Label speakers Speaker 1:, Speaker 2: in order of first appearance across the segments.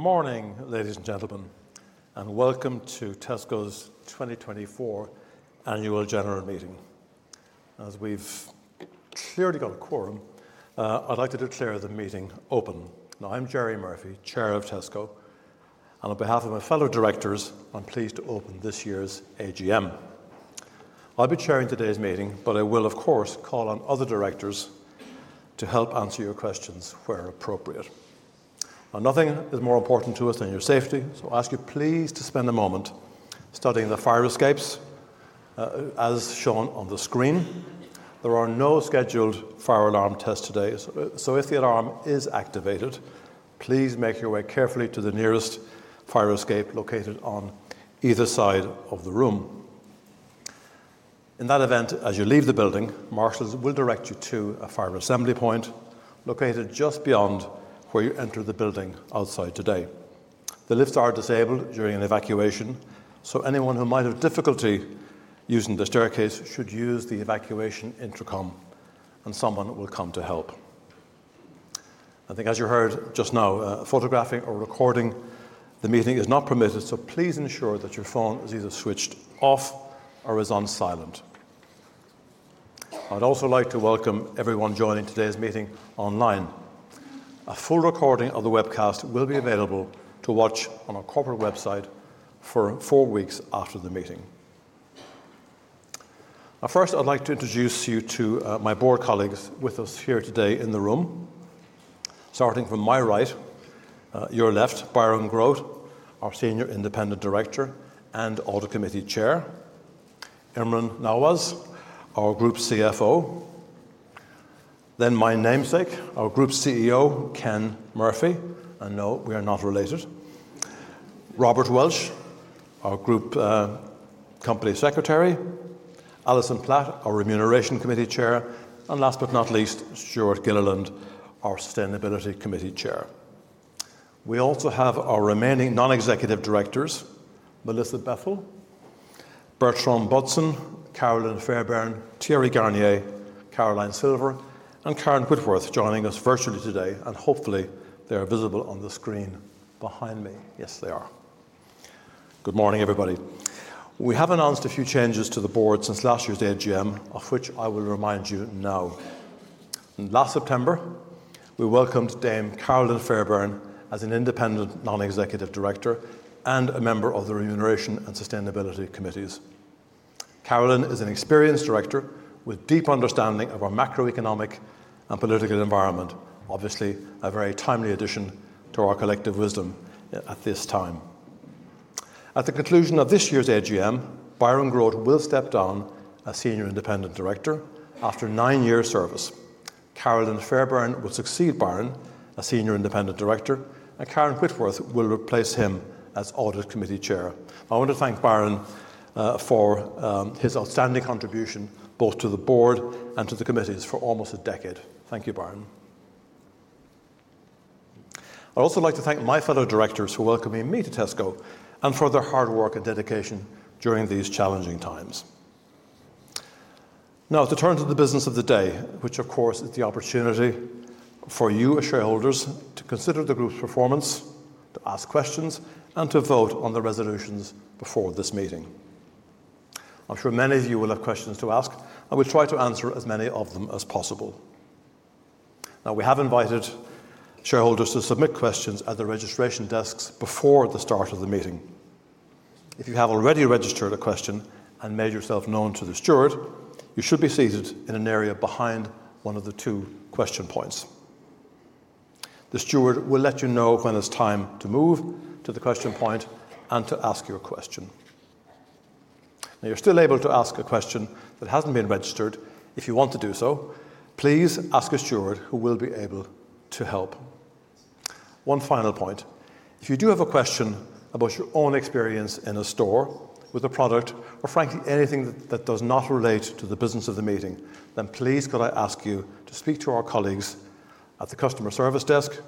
Speaker 1: Good morning, ladies and gentlemen, and welcome to Tesco's 2024 Annual General Meeting. As we've clearly got a quorum, I'd like to declare the meeting open now. I'm Gerry Murphy, Chair of Tesco, and on behalf of my fellow directors, I'm pleased to open this year's AGM. I'll be chairing today's meeting, but I will of course call on other directors to help answer your questions where appropriate. Nothing is more important to us than your safety, so I ask you please to spend a moment studying the fire escapes as shown on the screen. There are no scheduled fire alarm tests today, so if the alarm is activated, please make your way carefully to the nearest fire escape located on either side of the room. In that event, as you leave the building, marshals will direct you to a fire assembly point located just beyond where you enter the building outside. Today, the lifts are disabled during an evacuation, so anyone who might have difficulty using the staircase should use the evacuation intercom and someone will come to help, I think. As you heard just now, photographing or recording the meeting is not permitted, so please ensure that your phone is either switched off or is on silent. I'd also like to welcome everyone joining today's meeting online. A full recording of the webcast will be available to watch on our corporate website for four weeks after the meeting. First, I'd like to introduce you to my board colleagues. With us here today in the room, starting from my right, your left, Byron Grote, our Senior Independent Director and Audit Committee Chair. Imran Nawaz, our Group CFO. Then my namesake, our Group CEO, Ken Murphy, and no, we are not related. Robert Welch, our Group Company Secretary, Alison Platt, our Remuneration Committee Chair, and last but not least, Stewart Gilliland, our Sustainability Committee Chairman. We also have our remaining non-executive directors, Melissa Bethell, Bertrand Bodson, Carolyn Fairbairn, Thierry Garnier, Caroline Silver and Karen Whitworth, joining us virtually today. And hopefully they are visible on the screen behind me. Yes, they are. Good morning everybody. We have announced a few changes to the board since last year's AGM, of which I will remind you now. Last September we welcomed Dame Carolyn Fairbairn as an independent non-executive Director and a member of the Remuneration and Sustainability Committees. Carolyn is an experienced director with deep understanding of our macroeconomic and political environment. Obviously a very timely addition to our collective wisdom at this time. At the conclusion of this year's AGM, Byron Grote will step down as Senior Independent Director after nine years service, Carolyn Fairbairn will succeed Byron as Senior Independent Director and Karen Whitworth will replace him as Audit Committee Chair. I want to thank Byron for his outstanding contribution both to the board and to the committees for almost a decade. Thank you, Byron. I'd also like to thank my fellow directors for welcoming me to Tesco and for their hard work and dedication during these challenging times. Now to turn to the business of the day, which of course is the opportunity for you as shareholders to consider the group's performance, to ask questions and to vote on the resolutions before this meeting. I'm sure many of you will have questions to ask and we'll try to answer as many of them as possible. Now, we have invited shareholders to submit questions at the registration desks before the start of the meeting. If you have already registered a question and made yourself known to the steward, you should be seated in an area behind one of the two question points. The steward will let you know when it's time to move to the question point and to ask your question. You're still able to ask a question that hasn't been registered. If you want to do so, please ask a steward who will be able to help. One final point. If you do have a question about your own experience in a store with a product or frankly, anything that does not relate to the business of the meeting, then please could I ask you to speak to our colleagues at the customer service desk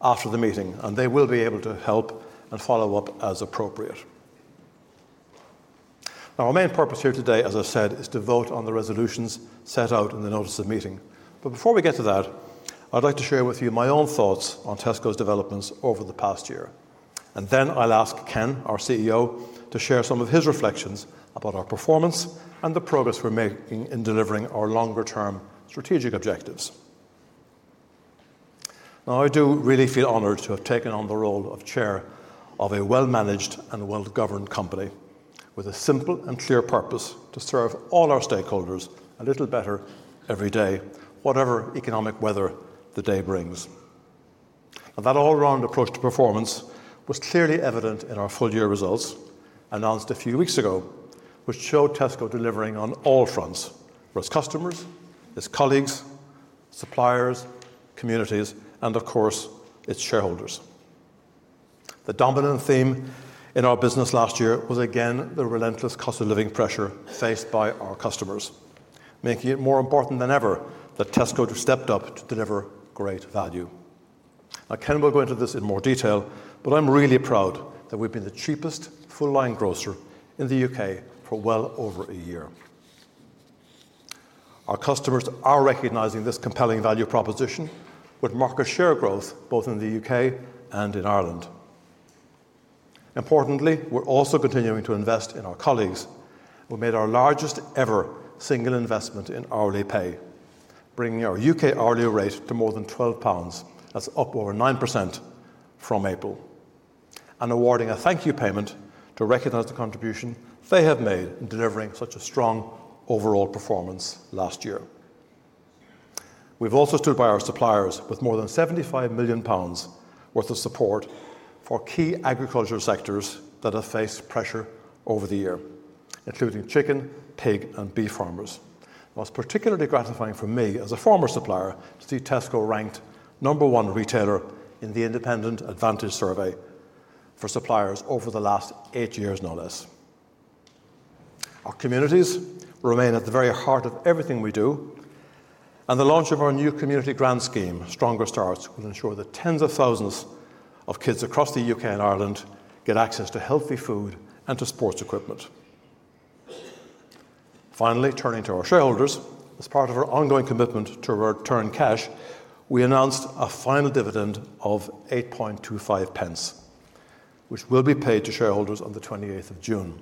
Speaker 1: after the meeting and they will be able to help and follow up as appropriate. Our main purpose here today, as I said, is to vote on the resolutions set out in the notice of meeting. But before we get to that, I'd like to share with you my own thoughts on Tesco's developments over the past year. And then I'll ask Ken, our CEO, to share some of his reflections about our performance and the progress we're making in delivering our longer term strategic objectives. Now, I do really feel honored to have taken on the role of chair of a well managed and well governed company with a simple and clear purpose to serve all our stakeholders a little better every day, whatever economic weather the day brings. That all-around approach to performance was clearly evident in our full-year results announced a few weeks ago, which showed Tesco delivering on all fronts for its customers, its colleagues, suppliers, communities and of course its shareholders. The dominant theme in our business last year was again the relentless cost of living pressure faced by our customers, making it more important than ever that Tesco stepped up to deliver great value. Ken will go into this in more detail, but I'm really proud that we've been the cheapest full line grocer in the U.K. for well over a year. Our customers are recognizing this compelling value proposition with market share growth both in the U.K. and in Ireland. Importantly, we're also continuing to invest in our colleagues. We made our largest ever single investment in hourly pay, bringing our U.K. hourly rate to more than 12 pounds. That's up over 9% from April and awarding a thank you payment to recognize the contribution they've made in delivering such a strong overall performance last year. We've also stood by our suppliers with more than 75 million pounds worth of support for key agriculture sectors that have faced pressure over the year, including chicken, pig and beef farmers. Most particularly gratifying for me as a former supplier to see Tesco ranked number one retailer in the independent Advantage survey for suppliers over the last eight years no less. Our communities remain at the very heart of everything we do and the launch of our new Community Grant Scheme. Stronger Starts will ensure that tens of thousands of kids across the UK and Ireland get access to healthy food and to sports equipment. Finally, turning to our shareholders, as part of our ongoing commitment to return cash, we announced a final dividend of 0.0825 which will be paid to shareholders on 28th of June.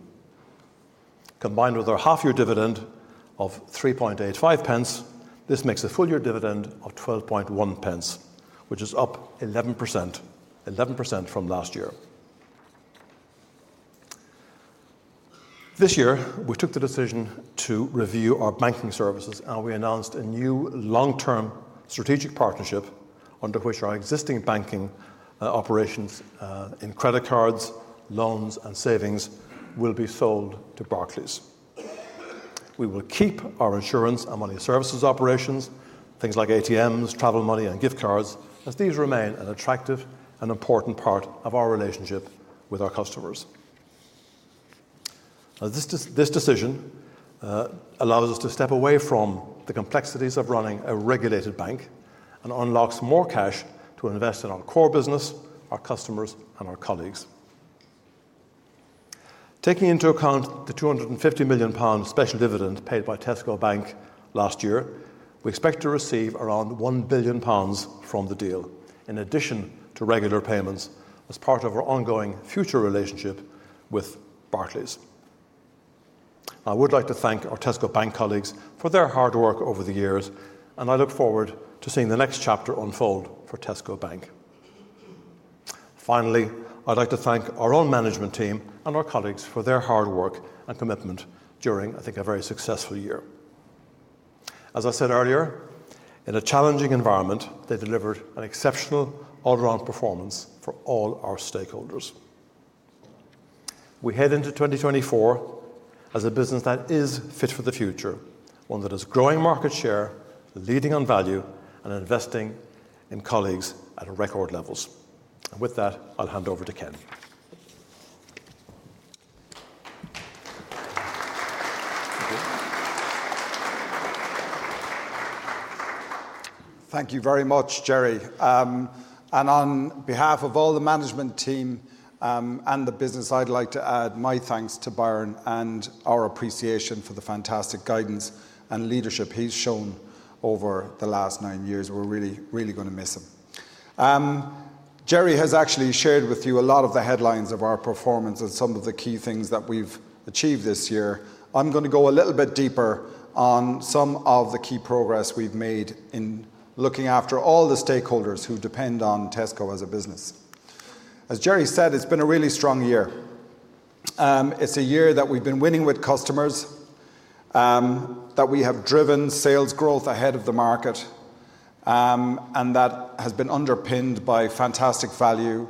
Speaker 1: Combined with our half year dividend of 0.0385, this makes a full year dividend of 0.121 which is up 11% from last year. This year we took the decision to review our banking services and we announced a new long term strategic partnership under which our existing banking operations in credit cards, loans and savings will be sold to Barclays. We will keep our insurance and money services operations, things like ATMs, travel money and gift cards as these remain an attractive and important part of our relationship with our customers. This decision allows us to step away from the complexities of running a regulated bank and unlocks more cash to invest in our core business, our customers and our colleagues. Taking into account the 250 million pound special dividend paid by Tesco Bank last year, we expect to receive around 1 billion pounds from the deal in addition to regular payments as part of our ongoing future relationship with Barclays. I would like to thank our Tesco Bank colleagues for their hard work over the years and I look forward to seeing the next chapter unfold for Tesco Bank. Finally, I'd like to thank our own management team and our colleagues for their hard work and commitment during, I think, a very successful year. As I said earlier, in a challenging environment, they delivered an exceptional all around performance for all our stakeholders. We head into 2024 as a business that is fit for the future, one that is growing market share, leading on value and investing in colleagues at record levels. With that I'll hand over to Ken.
Speaker 2: Thank you very much, Gerry. On behalf of all the management team and the business, I'd like to add my thanks to Byron and our appreciation for the fantastic guidance leadership he's shown over the last nine years. We're really, really going to miss him. Gerry has actually shared with you a lot of the headlines of our performance and some of the key things that we've achieved this year. I'm going to go a little bit deeper on some of the key progress we've made in looking after all the stakeholders who depend on Tesco as a business. As Gerry said, it's been a really strong year. It's a year that we've been winning with customers, that we have driven sales growth ahead of the market and that has been underpinned by fantastic value,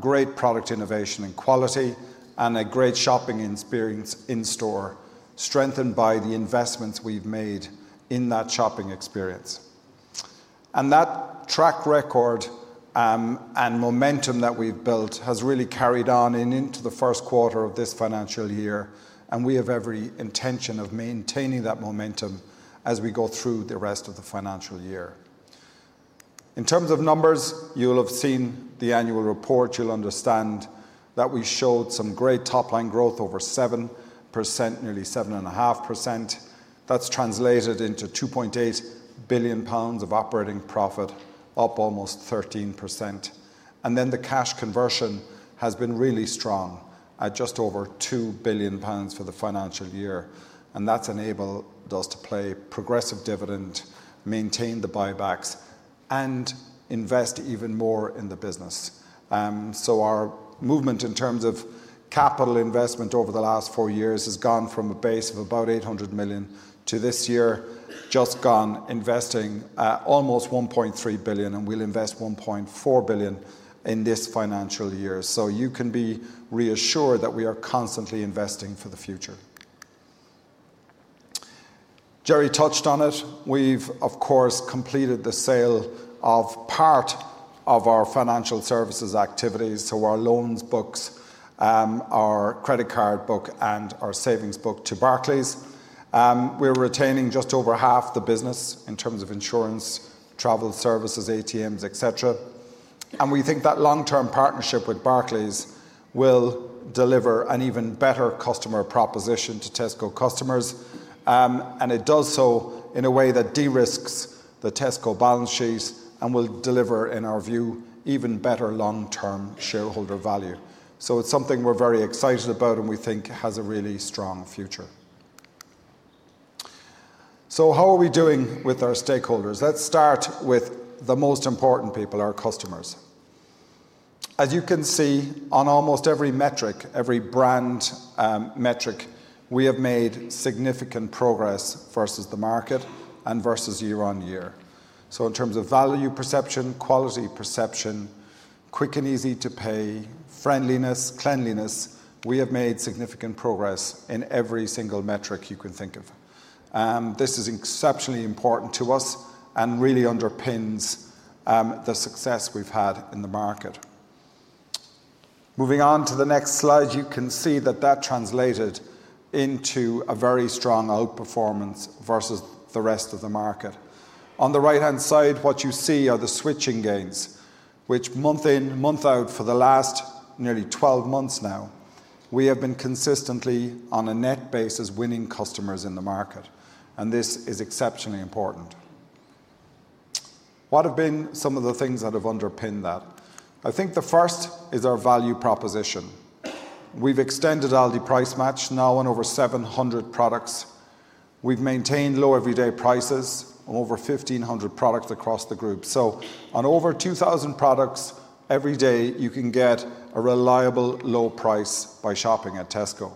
Speaker 2: great product innovation and quality and a great shopping experience in store, strengthened by the investments we've made in that shopping experience. That track record and momentum that we've built has really carried on into the first quarter of this financial year. We have every intention of maintaining that momentum as we go through the rest of the financial year. In terms of numbers, you'll have seen the annual report, you'll understand that we showed some great top line growth, over 7%, nearly 7.5%. That's translated into 2.8 billion pounds of operating profit, up almost 13%. Then the cash conversion has been really strong at just over 2 billion pounds for the financial year. And that's enabled us to pay progressive dividend, maintain the buybacks and invest even more in the business. So our movement in terms of capital investment over the last four years has gone from a base of about 800 million to this year just gone, investing almost 1.3 billion and we'll invest 1.4 billion in this financial year. So you can be reassured that we are constantly investing for the future. Gerry touched on it. We've of course completed the sale of part of our financial services activities. So our loan books, our credit card book and our savings book to Barclays. We're retaining just over half the business in terms of insurance, travel services, ATMs, et cetera. And we think that long-term partnership with Barclays will deliver an even better customer proposition to Tesco customers. It does so in a way that de-risks the Tesco balance sheet and will deliver, in our view, even better long-term shareholder value. So it's something we're very excited about and we think has a really strong future. So how are we doing with our stakeholders? Let's start with the most important people, our customers. As you can see, on almost every metric, every brand metric, we have made significant progress versus the market and versus year-on-year. So in terms of value perception, quality perception, quick and easy to pay, friendliness, cleanliness, we have made significant progress in every single metric you can think of. This is exceptionally important to us and really underpins the success we've had in the market. Moving on to the next slide, you can see that that translated into a very strong outperformance versus the rest of the market. On the right hand side, what you see are the switching gains which month in, month out. For the last nearly 12 months now, we have been consistently on a net basis winning customers in the market and this is exceptionally important. What have been some of the things that have underpinned that? I think the first is our value proposition. We've extended Aldi Price Match now on over 700 products. We've maintained low everyday prices over 1,500 products across the group, so on over 2,000 products every day. You can get a reliable low price by shopping at Tesco.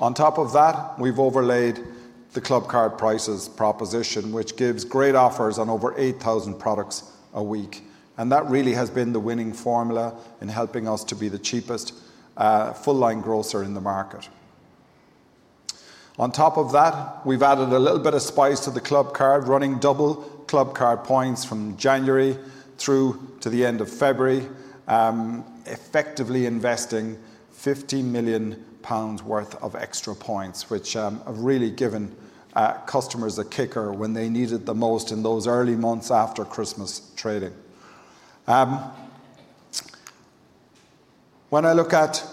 Speaker 2: On top of that, we've overlaid the Clubcard Prices proposition which gives great offers on over 8,000 products a week. And that really has been the winning formula in helping us to be the cheapest full line grocer in the market. On top of that, we've added a little bit of spice to the Clubcard, running double Clubcard points from January through to the end of February, effectively investing 15 million pounds worth of extra points, which have really given customers a kicker when they need it the most in those early months after Christmas trading. When I look at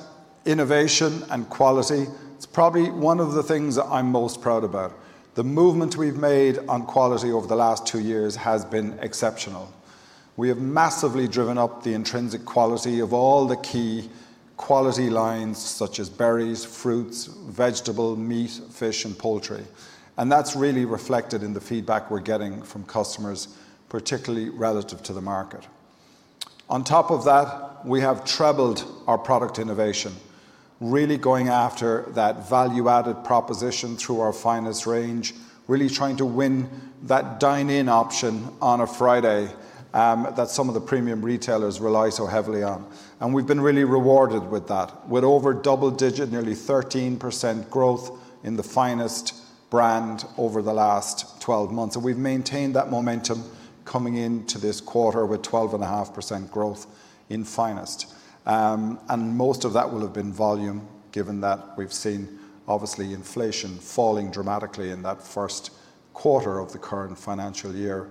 Speaker 2: innovation and quality, it's probably one of the things I'm most proud about. The movement we've made on quality over the last two years has been exceptional. We have massively driven up the intrinsic quality of all the key quality lines such as berries, fruits, vegetable, meat, fish and poultry. And that's really reflected in the feedback we're getting from customers, particularly relative to the market. On top of that, we have trebled our product innovation, really going after that value-added proposition through our Finest range, really trying to win that dine-in option on a Friday that some of the premium retailers rely so heavily on. We've been really rewarded with that with over double-digit, nearly 13% growth in the Finest brand over the last 12 months. We've maintained that momentum coming into this quarter with 12.5% growth in Finest and most of that will have been volume. Given that we've seen obviously inflation falling dramatically in that first quarter of the current financial year.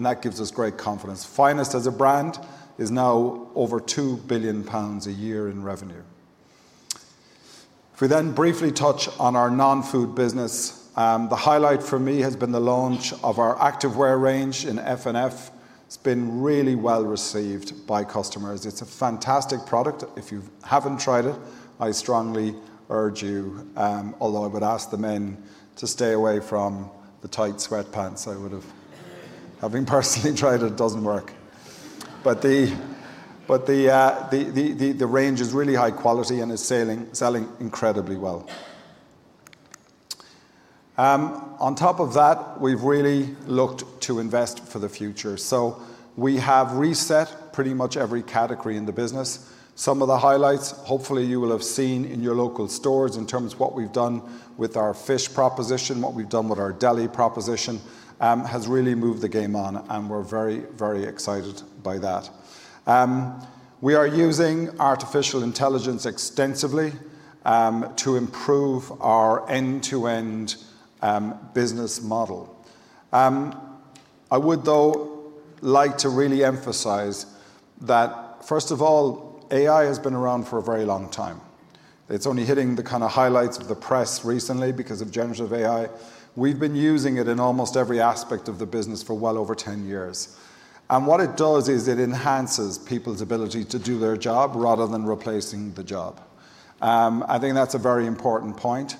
Speaker 2: That gives us great confidence. Finest as a brand is now over 2 billion pounds a year in revenue. If we then briefly touch on our non-food business, the highlight for me has been the launch of our activewear range in F&F. It's been really well received by customers. It's a fantastic product. If you haven't tried it, I strongly urge you, although I would ask the men to stay away from the tight sweatpants. I would have, having personally tried it, doesn't work. But the range is really high quality and is selling incredibly well. On top of that, we've really looked to invest for the future. So we have reset pretty much every category in the business. Some of the highlights hopefully you will have seen in your local stores. In terms of what we've done with our fish proposition, what we've done with our deli proposition has really moved the game on and we're very, very excited by that. We are using artificial intelligence extensively to improve our end-to-end business model. I would though like to really emphasize that first of all, AI has been around for a very long time. It's only hitting the kind of highlights of the press recently because of Generative AI. We've been using it in almost every aspect of the business for well over 10 years. And what it does is it enhances people's ability to do their job rather than replacing the job. I think that's a very important point.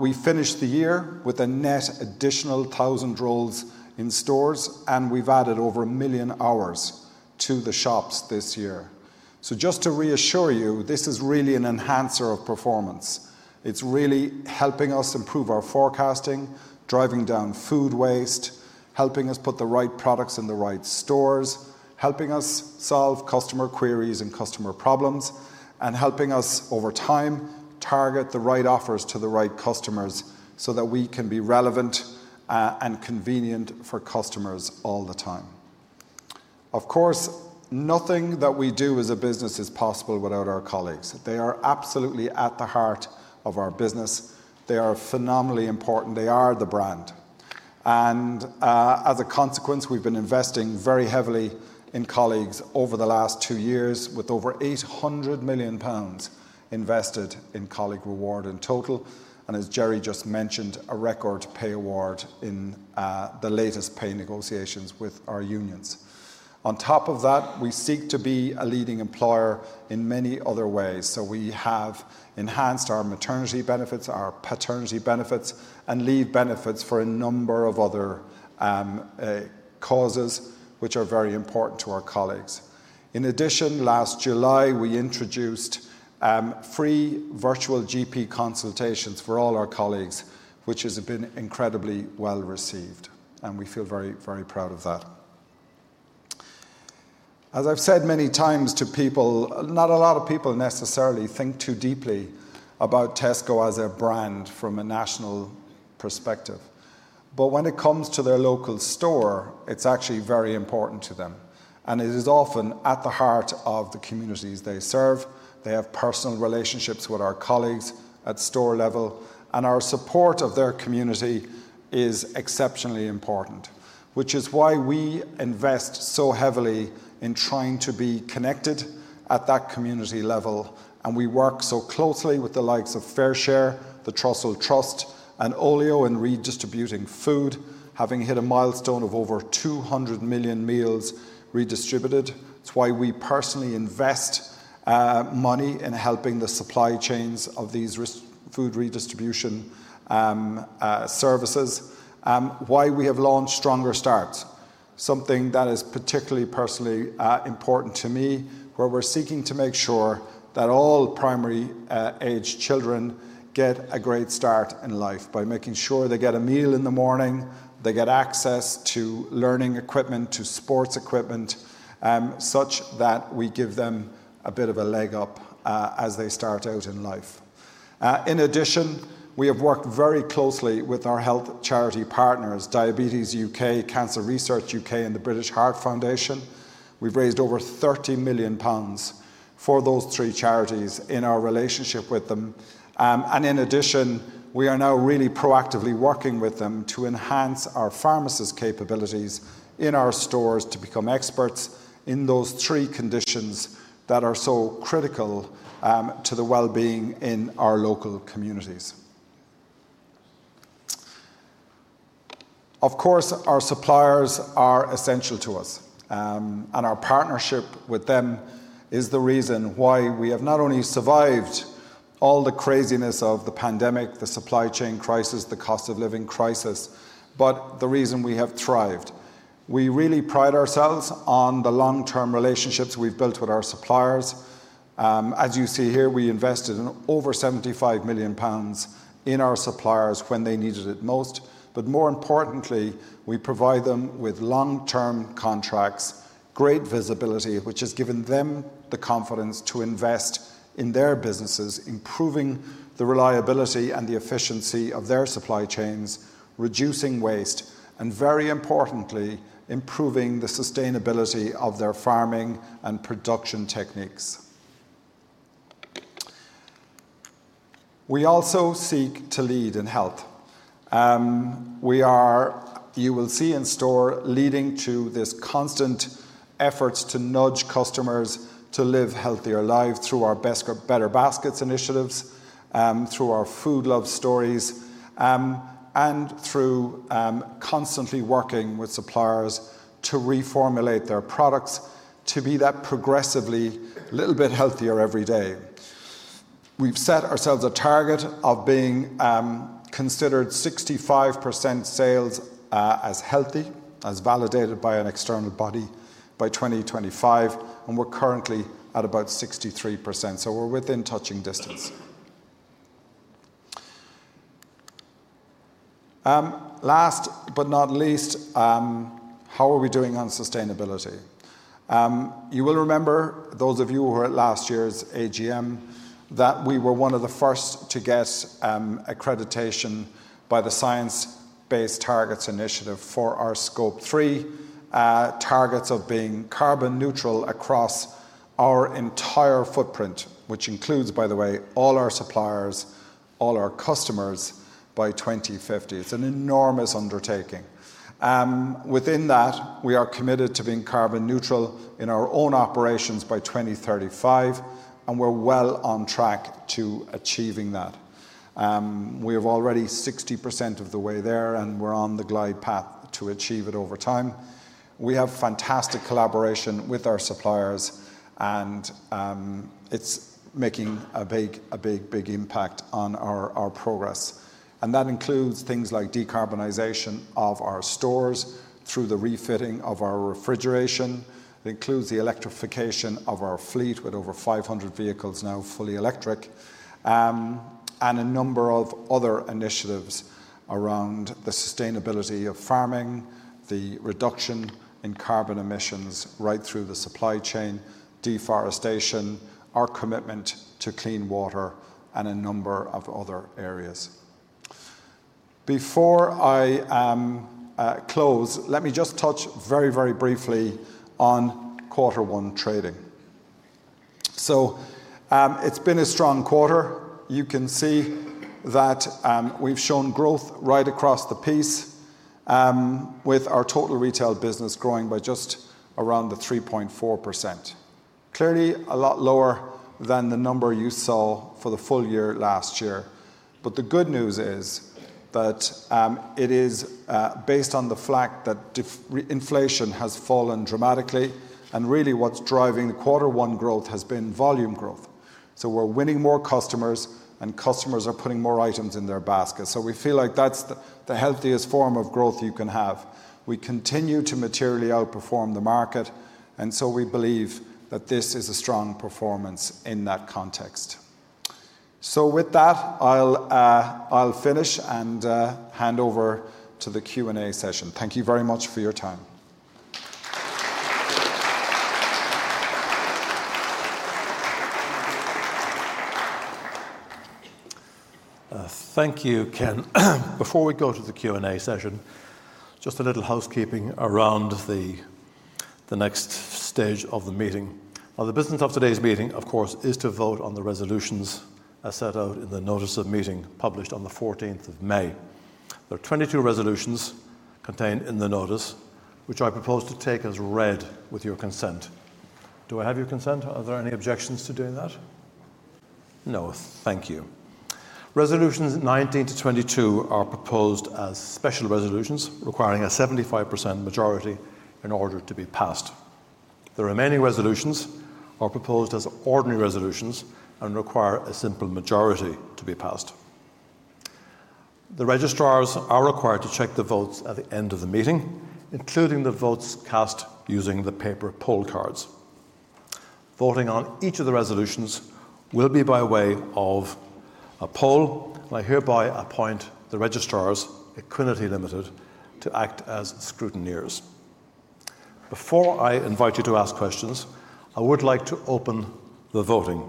Speaker 2: We finished the year with a net additional 1,000 roles in stores and we've added over 1 million hours to the shops this year. So just to reassure you, this is really an enhancer of performance. It's really helping us improve our forecasting, driving down food waste, helping us put the right products in the right stores, helping us solve customer queries and customer problems, and helping us over time target the right offers to the right customers so that we can be relevant and convenient for customers all the time. Of course, nothing that we do as a business is possible without our colleagues. They are absolutely at the heart of our business. They are phenomenally important. They are the brand. And as a consequence, we've been investing very heavily in colleagues over the last two years with over 800 million pounds invested in colleague reward in total and as Gerry just mentioned, a record pay award in the latest pay negotiations with our unions. On top of that, we seek to be a leading employer in many other ways. So we have enhanced our maternity benefits, our paternity benefits and leave benefits for a number of other causes which are very important to our colleagues. In addition, last July we introduced free virtual GP consultations for all our colleagues, which has been incredibly well received and we feel very, very proud of that. As I've said many times to people, not a lot of people necessarily think too deeply about Tesco as a brand from a national perspective, but when it comes to their local store, it's actually very important to them and it is often at the heart of the communities they serve. They have personal relationships with our colleagues at store level and our support of their community is exceptionally important, which is why we invest so heavily in trying to be connected at that community level. We work so closely with the likes of FareShare, The Trussell Trust and Olio in redistributing food, having hit a milestone of over 200 million meals redistributed. It's why we personally invest money in helping the supply chains of these food redistribution services, why we have launched Stronger Starts, something that is particularly personally important to me, where we're seeking to make sure that all primary-age children get a great start in life by making sure they get a meal in the morning, they get access to learning equipment, to sports equipment, such that we give them a bit of a leg up as they start out in life. In addition, we have worked very closely with our health charity partners, Diabetes UK, Cancer Research UK and the British Heart Foundation. We've raised over 30 million pounds for those three charities in our relationship with them. And in addition, we are now really proactively working with them to enhance our pharmacist capabilities in our stores, to become experts in those three conditions that are so critical to the well-being in our local communities. Of course our suppliers are essential to us and our partnership with them is the reason why we have not only survived all the craziness of the pandemic, the supply chain crisis, the cost of living crisis, but the reason we have thrived. We really pride ourselves on the long-term relationships we've built with our suppliers. As you see here, we invested in over 75 million pounds in our suppliers when they needed it most. But more importantly, we provide them with long-term contracts, great visibility, which has given them the confidence to invest in their businesses, improving the reliability and the efficiency of their supply chains, reducing waste and very importantly, improving the sustainability of their farming and production techniques. We also seek to lead in health you will see in-store, leading to this constant effort to nudge customers to live healthier lives through our Better Baskets initiatives, through our Food Love Stories, and through constantly working with suppliers to reformulate their products to be that progressively little bit healthier every day. We've set ourselves a target of being considered 65% sales as healthy as validated by an external body by 2025, and we're currently at about 63%. So we're within touching distance. Last but not least, how are we doing on sustainability? You will remember those of you who were at last year's AGM, that we were one of the first to get accreditation by the Science Based Targets initiative for our Scope three targets of being carbon neutral across our entire footprint, which includes, by the way, all our suppliers, all our customers by 2050. It's an enormous undertaking. Within that, we are committed to being carbon neutral in our own operations by 2035, and we're well on track to achieving that. We have already 60% of the way there and we're on the glide path to achieve it over time. We have fantastic collaboration with our suppliers and it's making a big, a big, big impact on our progress and that includes things like decarbonization of our stores through the refitting of our refrigeration, includes the electrification of our fleet with over 500 vehicles now fully electric, and a number of other initiatives around the sustainability of farming, the reduction in carbon emissions right through the supply chain, deforestation, our commitment to clean water and a number of other areas. Before I close, let me just touch very, very briefly on quarter one trading. So it's been a strong quarter. You can see that we've shown growth right across the piece, with our total retail business growing by just around the 3.4%, clearly a lot lower than the number you saw for the full year last year. But the good news is that it is based on the fact that inflation has fallen dramatically and really what's driving the quarter one growth has been volume growth. So we're winning more customers and customers are putting more items in their baskets. So we feel like that's the healthiest form of growth you can have. We continue to materially outperform the market and so we believe that this is a strong performance in that context. So with that, I'll finish and hand over to the Q and A session. Thank you very much for your time.
Speaker 1: Thank you, Ken. Before we go to the Q and A session, just a little housekeeping around the next stage of the meeting. The business of today's meeting, of course, is to vote on the resolutions as set out in the notice of meeting published on 14th of May. There are 22 resolutions contained in the notice which I propose to take as read with your consent. Do I have your consent? Are there any objections to doing that? No. Thank you. Resolutions 19-22 are proposed as special resolutions requiring a 75% majority in order to be passed. The remaining resolutions are proposed as ordinary resolutions and require a simple majority to be passed. The registrars are required to check the votes at the end of the meeting, including the votes cast using the paper poll cards. Voting on each of the resolutions will be by way of a poll. I hereby appoint the registrars, Equiniti Limited, to act as scrutineers. Before I invite you to ask questions, I would like to open the voting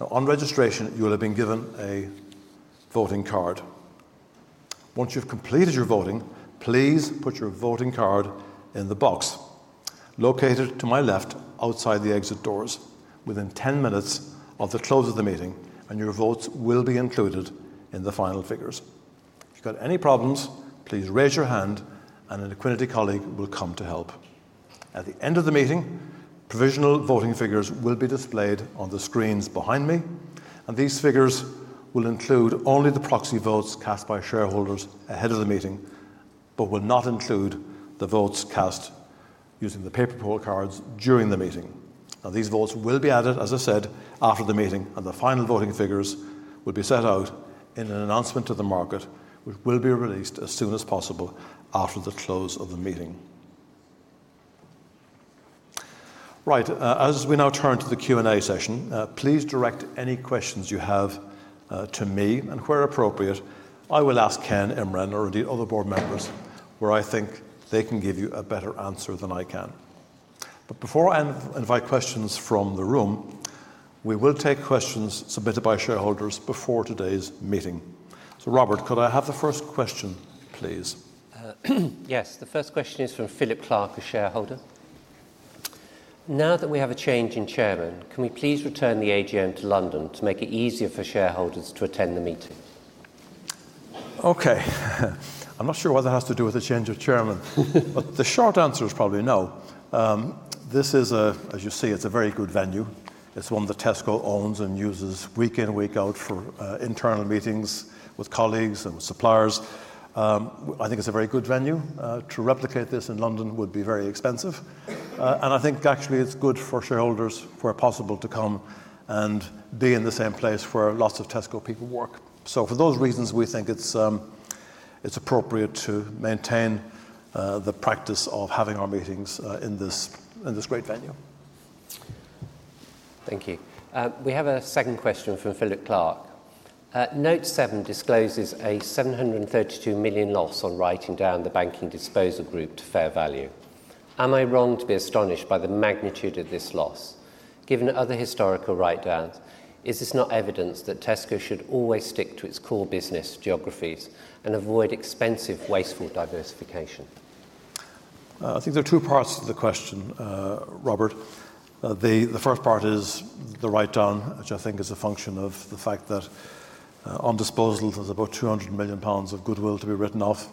Speaker 1: on registration. You will have been given a voting card. Once you've completed your voting, please put your voting card in the box located to my left outside the exit doors within 10 minutes of the close of the meeting and your votes will be included in the final figures. If you've got any problems, please raise your hand and an Equiniti colleague will come to help. At the end of the meeting, provisional voting figures will be displayed on the screens behind me, and these figures will include only the proxy votes cast by shareholders ahead of the meeting, but will not include the votes cast using the paper poll cards during the meeting. These votes will be added, as I said, after the meeting, and the final voting figures will be set out in an announcement to the market, which will be released as soon as possible after the close of the meeting. Right. As we now turn to the Q and A session, please direct any questions you have to me, and where appropriate, I will ask Ken Imran or indeed other board members where I think they can give you a better answer than I can. Before I invite questions from the room, we will take questions submitted by shareholders before today's meeting. Robert, could I have the first question, please?
Speaker 3: Yes. The first question is from Philip Clarke, a shareholder. Now that we have a change in chairman, can we please return the AGM to London to make it easier for shareholders to attend the meeting?
Speaker 1: Okay. I'm not sure what that has to do with the change of chairman, but the short answer is probably no. This is, as you see, it's a very good venue. It's one that Tesco owns and uses week in, week out for internal meetings with colleagues and suppliers. I think it's a very good venue. To replicate this in London would be very expensive. And I think actually it's good for shareholders, where possible, to come and be in the same place where lots of Tesco people work. So for those reasons, we think it's appropriate to maintain the practice of having our meetings in this great venue.
Speaker 3: Thank you. We have a second question from Philip Clarke. Note seven discloses a 732 million loss on writing down the Banking Disposal Group to fair value. Am I wrong to be astonished by the magnitude of this loss? Given other historical write-downs, is this not evidence that Tesco should always stick to its core business geographies and avoid expensive wasteful diversification?
Speaker 1: I think there are two parts to the question, Robert. The first part is the write down, which I think is a function of the fact that on disposal there's about 200 million pounds of goodwill to be written off.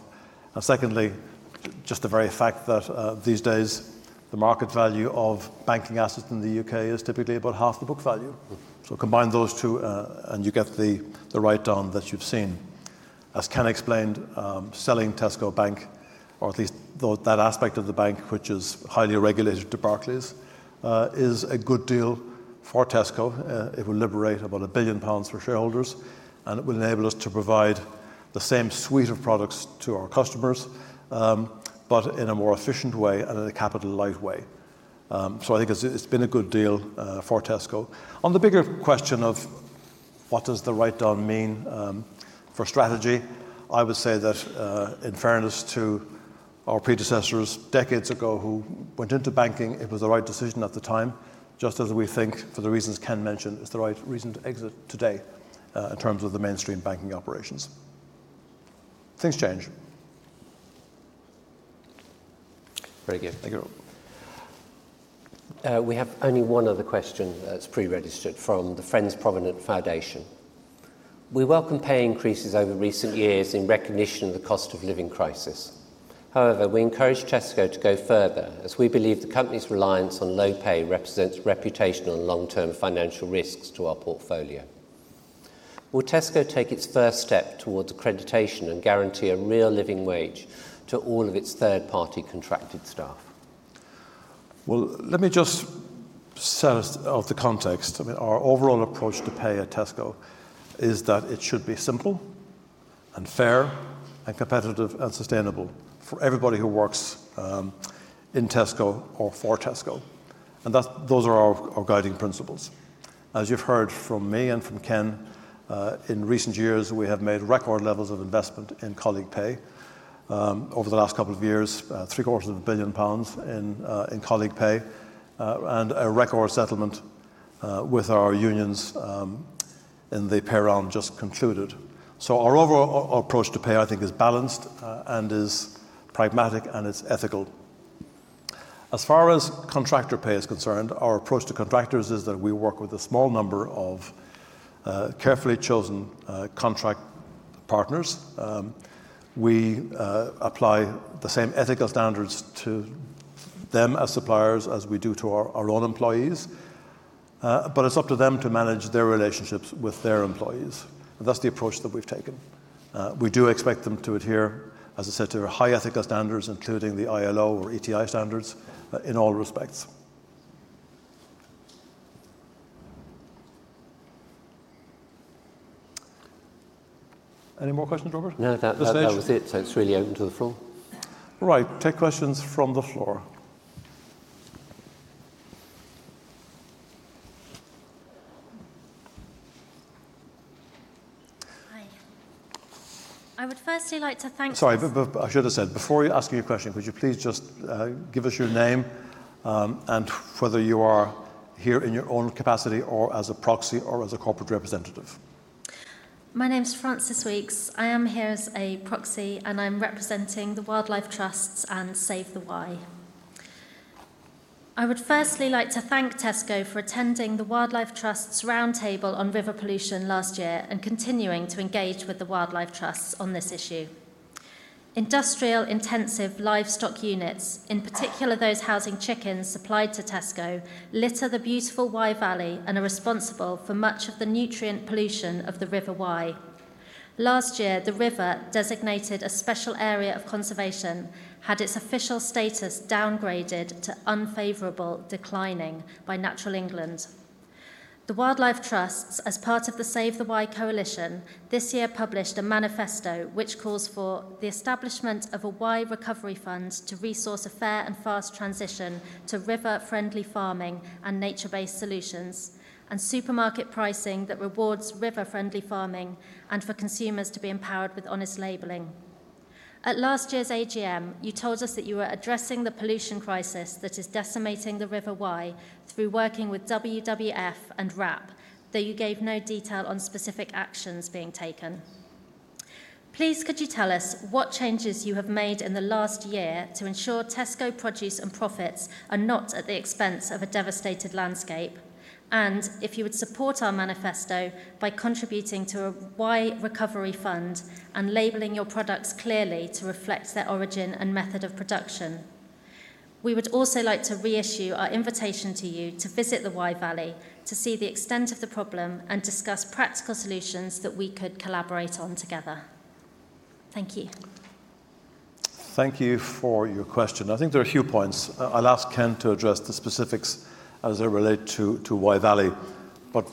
Speaker 1: And secondly, just the very fact that these days the market value of banking assets in the U.K. is typically about half the book value. So combine those two and you get the write down that you've seen. As Ken explained, selling Tesco Bank, or at least that aspect of the bank which is highly regulated to Barclays, is a good deal for Tesco. It will liberate about 1 billion pounds for shareholders and it will enable us to provide the same suite of products to our customers, but in a more efficient way and in a capital light way. So I think it's been a good deal for Tesco. On the bigger question of what does the write down mean for strategy, I would say that in fairness to our predecessors decades ago who went into banking, it was the right decision at the time. Just as we think for the reasons Ken mentioned, it's the right reason to exit today in terms of the mainstream banking operations. Things change.
Speaker 3: Very good, thank you. We have only one other question that's pre-registered from the Friends Provident Foundation. We welcome pay increases over recent years in recognition of the cost of living crisis. However, we encourage Tesco to go further as we believe the company's reliance on low pay represents reputational and long-term financial risks to our portfolio. Will Tesco take its first step towards accreditation and guarantee a Real Living Wage to all of its third-party contracted staff?
Speaker 1: Well, let me just set out the context. I mean, our overall approach to pay at Tesco is that it should be simple and fair and competitive and sustainable for everybody who works in Tesco or for Tesco. And those are our guiding principles. As you've heard from me and from Ken, in recent years we have made record levels of investment in colleague pay over the last couple of years, 750 million pounds in colleague pay and a record settlement with our unions in the pay round just concluded. So our overall approach to pay, I think, is balanced and is pragmatic and it's ethical as far as contractor pay is concerned. Our approach to contractors is that we work with a small number of carefully chosen contract partners. We apply the same ethical standards to them as suppliers as we do to our own employees, but it's up to them to manage their relationships with their employees. That's the approach that we've taken. We do expect them to adhere, as I said, to our high ethical standards, including the ILO or ETI standards in all respects. Any more questions, Robert?
Speaker 3: No doubt. Was it? So it's really open to the floor.
Speaker 1: Right, take questions from the floor.
Speaker 4: Hi, I would firstly like to thank.
Speaker 1: Sorry, I should have said before asking your question. Could you please just give us your name and whether you are here in your own capacity or as a proxy or as a corporate representative?
Speaker 4: My name is Frances Weeks. I am here as a proxy and I'm representing the Wildlife Trusts and Save the Wye. I would firstly like to thank Tesco for attending the Wildlife Trusts' roundtable on river pollution last year and continuing to engage with the Wildlife Trusts on this issue. Industrial intensive livestock units, in particular those housing chickens supplied to Tesco, litter the beautiful Wye Valley and are responsible for much of the nutrient pollution of the River Wye. Last year, the river, designated a Special Area of Conservation, had its official status downgraded to unfavorable declining by Natural England. The Wildlife Trusts, as part of the Save the Wye Coalition, this year published a manifesto which calls for the establishment of a Wye Recovery Fund to resource a fair and fast transition to river-friendly farming and nature-based solutions and supermarket pricing that rewards river-friendly farming and for consumers to be empowered with honest labeling. At last year's AGM you told us that you were addressing the pollution crisis that is decimating the River Wye through working with WWF and WRAP, though you gave no detail on specific actions being taken. Please could you tell us what changes you have made in the last year to ensure Tesco produce and profits are not at the expense of a devastated landscape? And if you would support our manifesto by contributing to a Wye Recovery Fund and labeling your products clearly to reflect their origin and method of protection. We would also like to reissue our invitation to you to visit the Wye Valley to see the extent of the problem and discuss practical solutions that we could collaborate on together. Thank you.
Speaker 1: Thank you for your question. I think there are a few points. I'll ask Ken to address the specifics as they relate to Wye Valley, but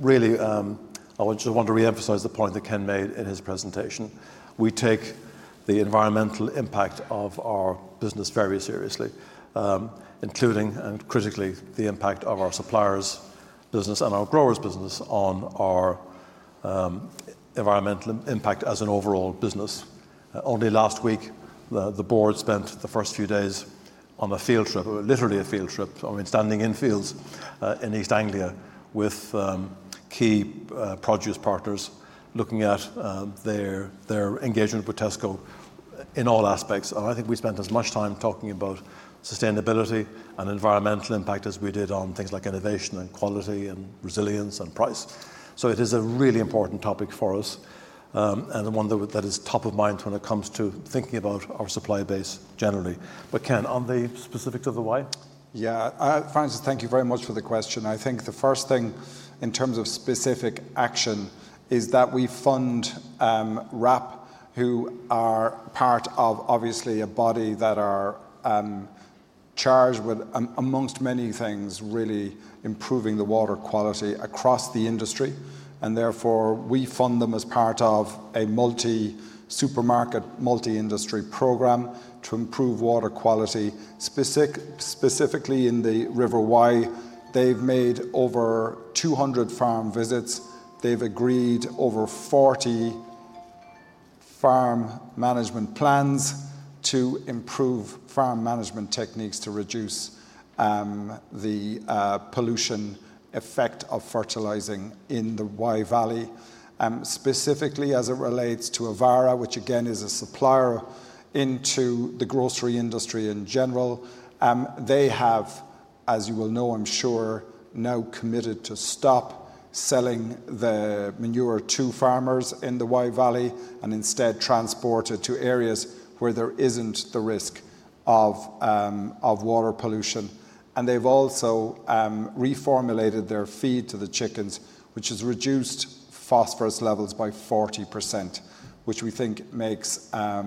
Speaker 1: really I want to reemphasize the point that Ken made in his presentation. We take the environmental impact of our business very seriously, including and critically the impact of our suppliers business and our growers business on our environmental impact as an overall business. Only last week, the board spent the first few days on a field trip, literally a field trip, I mean, standing in fields in East Anglia with key produce partners, looking at their engagement with Tesco in all aspects. I think we spent as much time talking about sustainability and environmental impact as we did on things like innovation and quality and resilience and price. So it is a really important topic for us and one that is top of mind when it comes to thinking about our supply base generally. But Ken, on the specifics of the why?
Speaker 2: Yeah, Frances, thank you very much for the question. I think the first thing in terms of specific action is that we fund WRAP, who are part of, obviously a body that are charged with, among many things, really improving the water quality across the industry, and therefore we fund them as part of a multi supermarket, multi industry program to improve water quality. Specifically in the River Wye. They've made over 200 farm visits, they've agreed over 40 farm management plans to improve farm management techniques to reduce the pollution effect of fertilizing in the Wye Valley. Specifically as it relates to Avara, which again is a supplier into the grocery industry in general. They have, as you will know, I'm sure, now committed to stop selling the manure to farmers in the Wye Valley and instead transport it to areas where there isn't the risk of water pollution. And they've also reformulated their feed to the chickens, which has reduced phosphorus levels by 40%, which we think makes a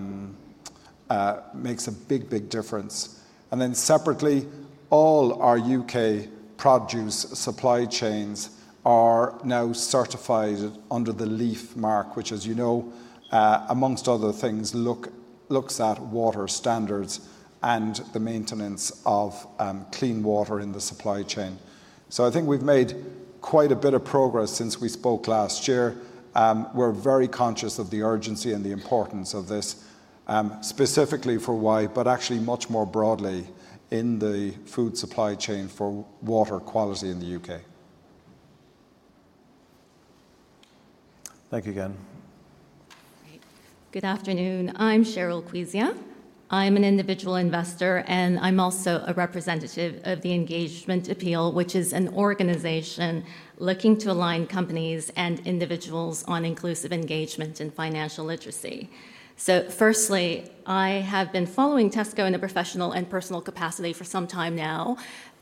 Speaker 2: big, big difference. And then separately, all our UK produce supply chains are now certified under the LEAF Marque, which, as you know, among other things, looks at water standards and the maintenance of clean water in the supply chain. So I think we've made quite a bit of progress since we spoke last year. We're very conscious of the urgency and the importance of this specifically for Wye, but actually much more broadly in the food supply chain for water quality in the UK.
Speaker 1: Thank you again.
Speaker 5: Good afternoon, I'm Sheryl Cuisia. I am an individual investor and I'm also a representative of The Engagement Appeal, which is an organization looking to align companies and individuals on inclusive engagement in financial literacy. First, I have been following Tesco in a professional and personal capacity for some time now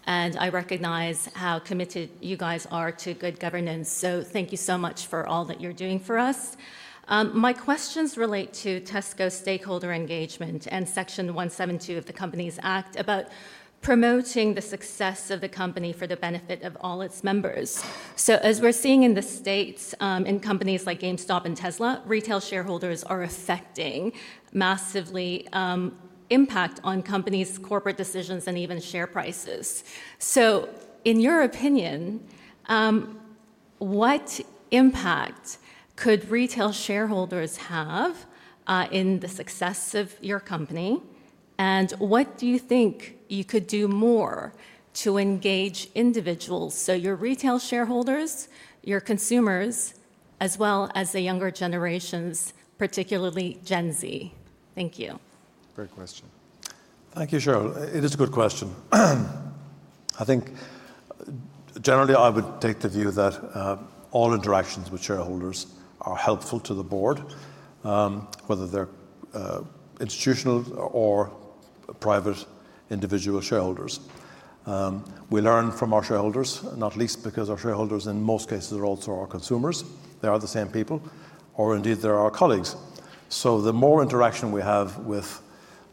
Speaker 5: and I recognize how committed you guys are to good governance. So thank you so much for all that you're doing for us. My questions relate to Tesco stakeholder engagement and Section 172 of the Companies Act about promoting the success of the company for the benefit of all its members. As we're seeing in the States in companies like GameStop and Tesla, retail shareholders are affecting massively impact on companies' corporate decisions and even share prices. In your opinion, what impact could retail shareholders have in the success of your company? What do you think you could do more to engage individuals? Your retail shareholders, your consumers as well as the younger generations, particularly Gen Z. Thank you.
Speaker 2: Great question.
Speaker 1: Thank you, Sheryl. It is a good question. I think. Generally, I would take the view that all interactions with shareholders are helpful to the board, whether they're institutional or private individual shareholders. We learn from our shareholders, not least because our shareholders in most cases are also our consumers. They are the same people or indeed they're our colleagues. So the more interaction we have with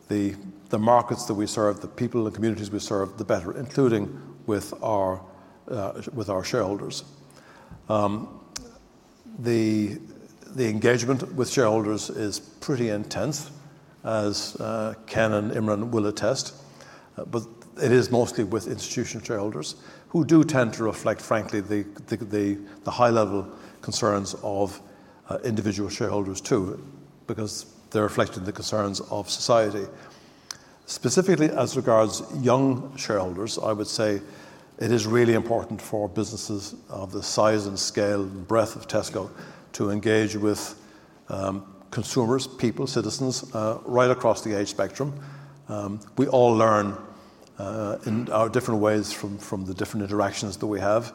Speaker 1: the markets that we serve, the people and communities we serve, the better, including with our shareholders. The engagement with shareholders is pretty intense, as Ken and Imran will attest. But it is mostly with institutional shareholders who do tend to reflect frankly the high-level concerns of individual shareholders too because they're reflecting the concerns of society specifically as regards young shareholders. I would say it is really important for businesses of the size and scale, breadth of Tesco to engage with consumers, people, citizens right across the age spectrum. We all learn in different ways from the different interactions that we have.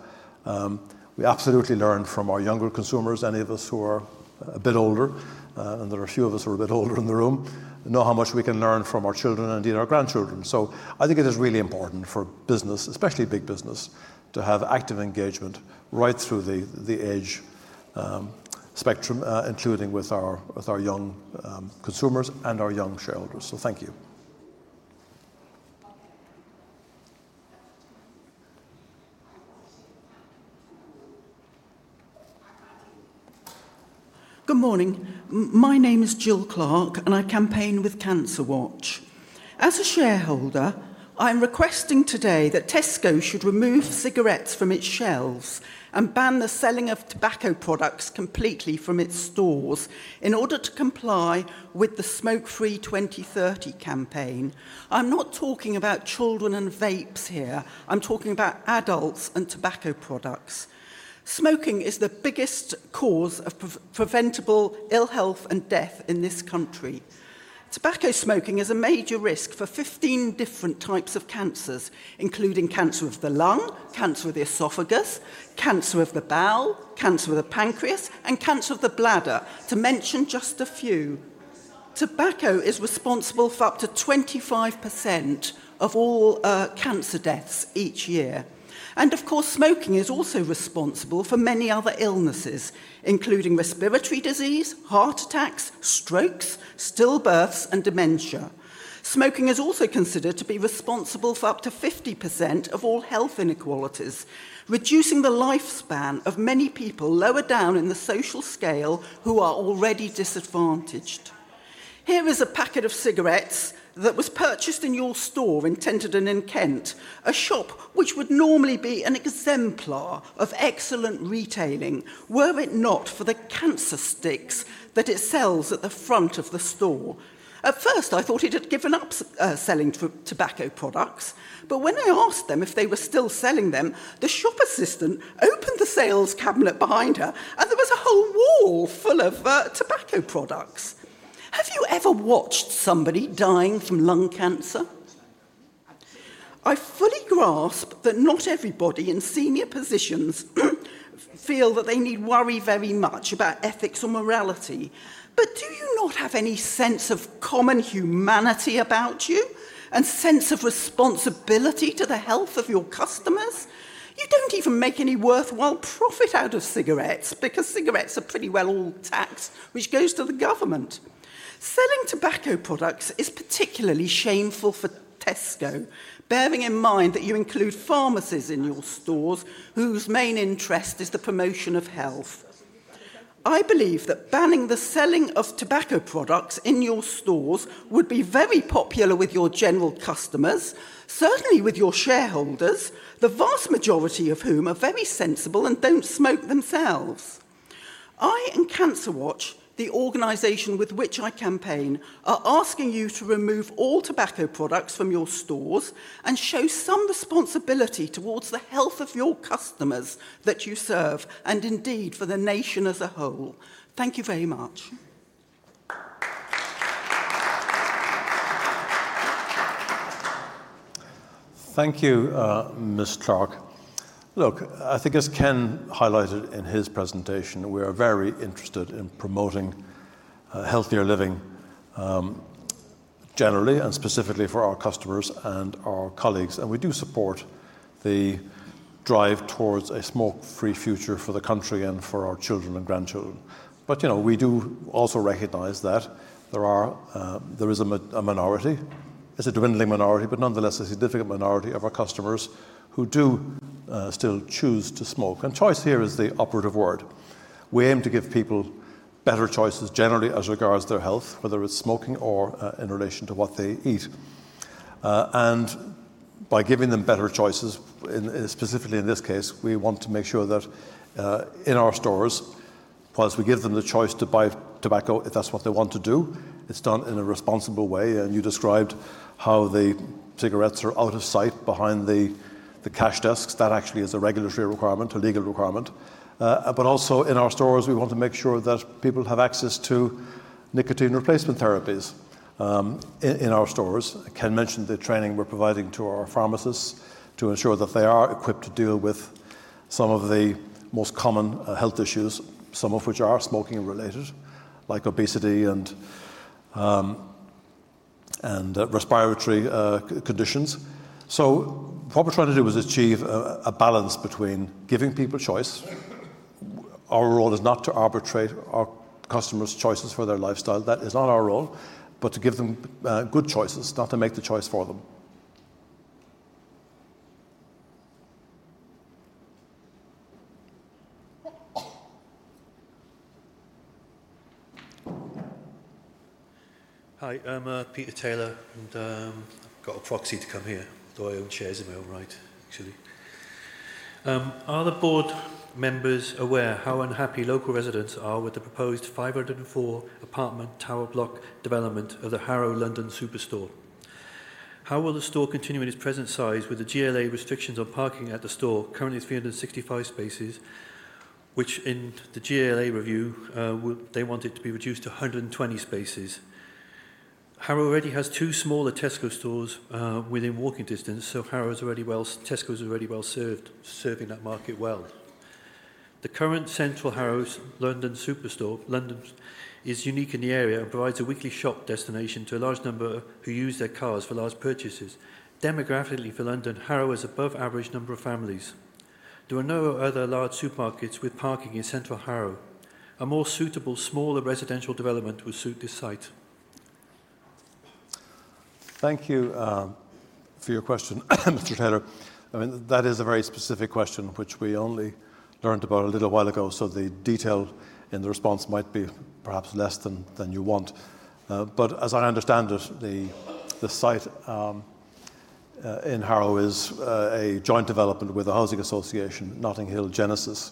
Speaker 1: We absolutely learn from our younger consumers. Any of us who are a bit older, and there are a few of us who are a bit older in the room, know how much we can learn from our children and indeed our grandchildren. So I think it is really important for business, especially big business, to have active engagement right through the age spectrum, including with our young consumers and our young shareholders. So thank you.
Speaker 6: Good morning, my name is Jill Clark and I campaign with CancerWatch. As a shareholder, I am requesting today that Tesco should remove cigarettes from its shelves and ban the selling of tobacco products completely from its stores in order to comply with the Smoke Free 2030 campaign. I'm not talking about children and vapes here, I'm talking about adults and tobacco products. Smoking is the biggest cause of preventable ill health and death in this country. Tobacco smoking is a major risk for 15 different types of cancers, including cancer of the lung, cancer of the esophagus, cancer of the bowel, cancer of the pancreas and cancer of the bladder, to mention just a few. Tobacco is responsible for up to 25% of all cancer deaths each year. And of course, smoking is also responsible for many other illnesses, including respiratory disease, heart attacks, strokes, stillbirths and dementia. Smoking is also considered to be responsible for up to 50% of all health inequality qualities, reducing the lifespan of many people lower down in the social scale who are already disadvantaged. Here is a packet of cigarettes that was purchased in your store in Tenterden in Kent. A shop which would normally be an exemplar of excellent retailing were it not for the cancer sticks that it sells at the front of the store. At first I thought it had given up success selling tobacco products, but when I asked them if they were still selling them, the shop assistant opened the sales cabinet behind her and there was a whole wall full of tobacco products. Have you ever watched somebody dying from lung cancer? I fully grasp that not everybody in senior positions feel that they need worry very much about ethics or morality. But do you not have any sense of common humanity about you and sense of responsibility to the health of your customers? You don't even make any worthwhile profit out of cigarettes because cigarettes are pretty well all taxed, which goes to the government. Selling tobacco products is particularly shameful for Tesco. Bearing in mind that you include pharmacies in your stores whose main interest is the promotion of health. I believe that banning the selling of tobacco products in your stores would be very popular with your general customers, certainly with your shareholders, the vast majority of whom are very sensible and don't smoke themselves. I and CancerWatch, the organization with which I campaign, are asking you to remove all tobacco products from your stores and show signs some responsibility towards the health of your customers that you serve and indeed for the nation as a whole. Thank you very much.
Speaker 1: Thank you, Ms. Clark. Look, I think as Ken highlighted in his presentation, we are very interested in promoting healthier living generally and specifically for our customers and our colleagues. We do support the drive towards a smoke-free future for the country and for our children and grandchildren. But you know, we do also recognize that there are, there is a minority, it's a dwindling minority, but nonetheless a significant minority of our customers who do still choose to smoke. And choice, here is the operative word. We aim to give people better choices generally as regards their health, whether it's smoking or in relation to what they eat. By giving them better choices. Specifically in this case we want to make sure that in our stores whilst we give them the choice to buy tobacco if that's what they want to do, it's done in a responsible way. And you described how the cigarettes are out of sight behind the cash desks. That actually is a regulatory requirement, a legal requirement. But also in our stores we want to make sure that people have access to nicotine replacement therapies in our stores. Ken mentioned the training we're providing to our pharmacists to ensure that they are equipped to deal with some of the most common health issues, some of which are smoking related like obesity and respiratory conditions. So what we're trying to do is achieve a balance between giving people choice. Our role is not to arbitrate our customers choices for their lifestyle, that is not our role but to give them good choices, not to make the choice for them.
Speaker 7: Hi, I'm Peter Taylor and I've got a proxy to come here though I own shares in my own right. Are the board members aware how unhappy local residents are with the proposed 504 apartment tower block development of the Harrow London Superstore? How will the store continue in its present size with the GLA restrictions on parking at the store currently 365 spaces which in the GLA review they want it to be reduced to 120 spaces. Harrow already has 2 smaller Tesco stores within walking distance so Harrow's already well Tesco's already well served serving that market well. The current Central Harrow London Superstore London is unique in the area and provides a weekly shop destination to a large number who use their cars for large purchases. Demographically for London, Harrow has an above average number of families. There are no other large supermarkets with parking in central Harrow. A more suitable smaller residential development would suit this site.
Speaker 1: Thank you for your question Mr. Taylor. I mean that is a very specific question which we only learned about a little while ago. So the detail in the response might be perhaps less than you want. But as I understand it the site in Harrow is a joint development with the housing association Notting Hill Genesis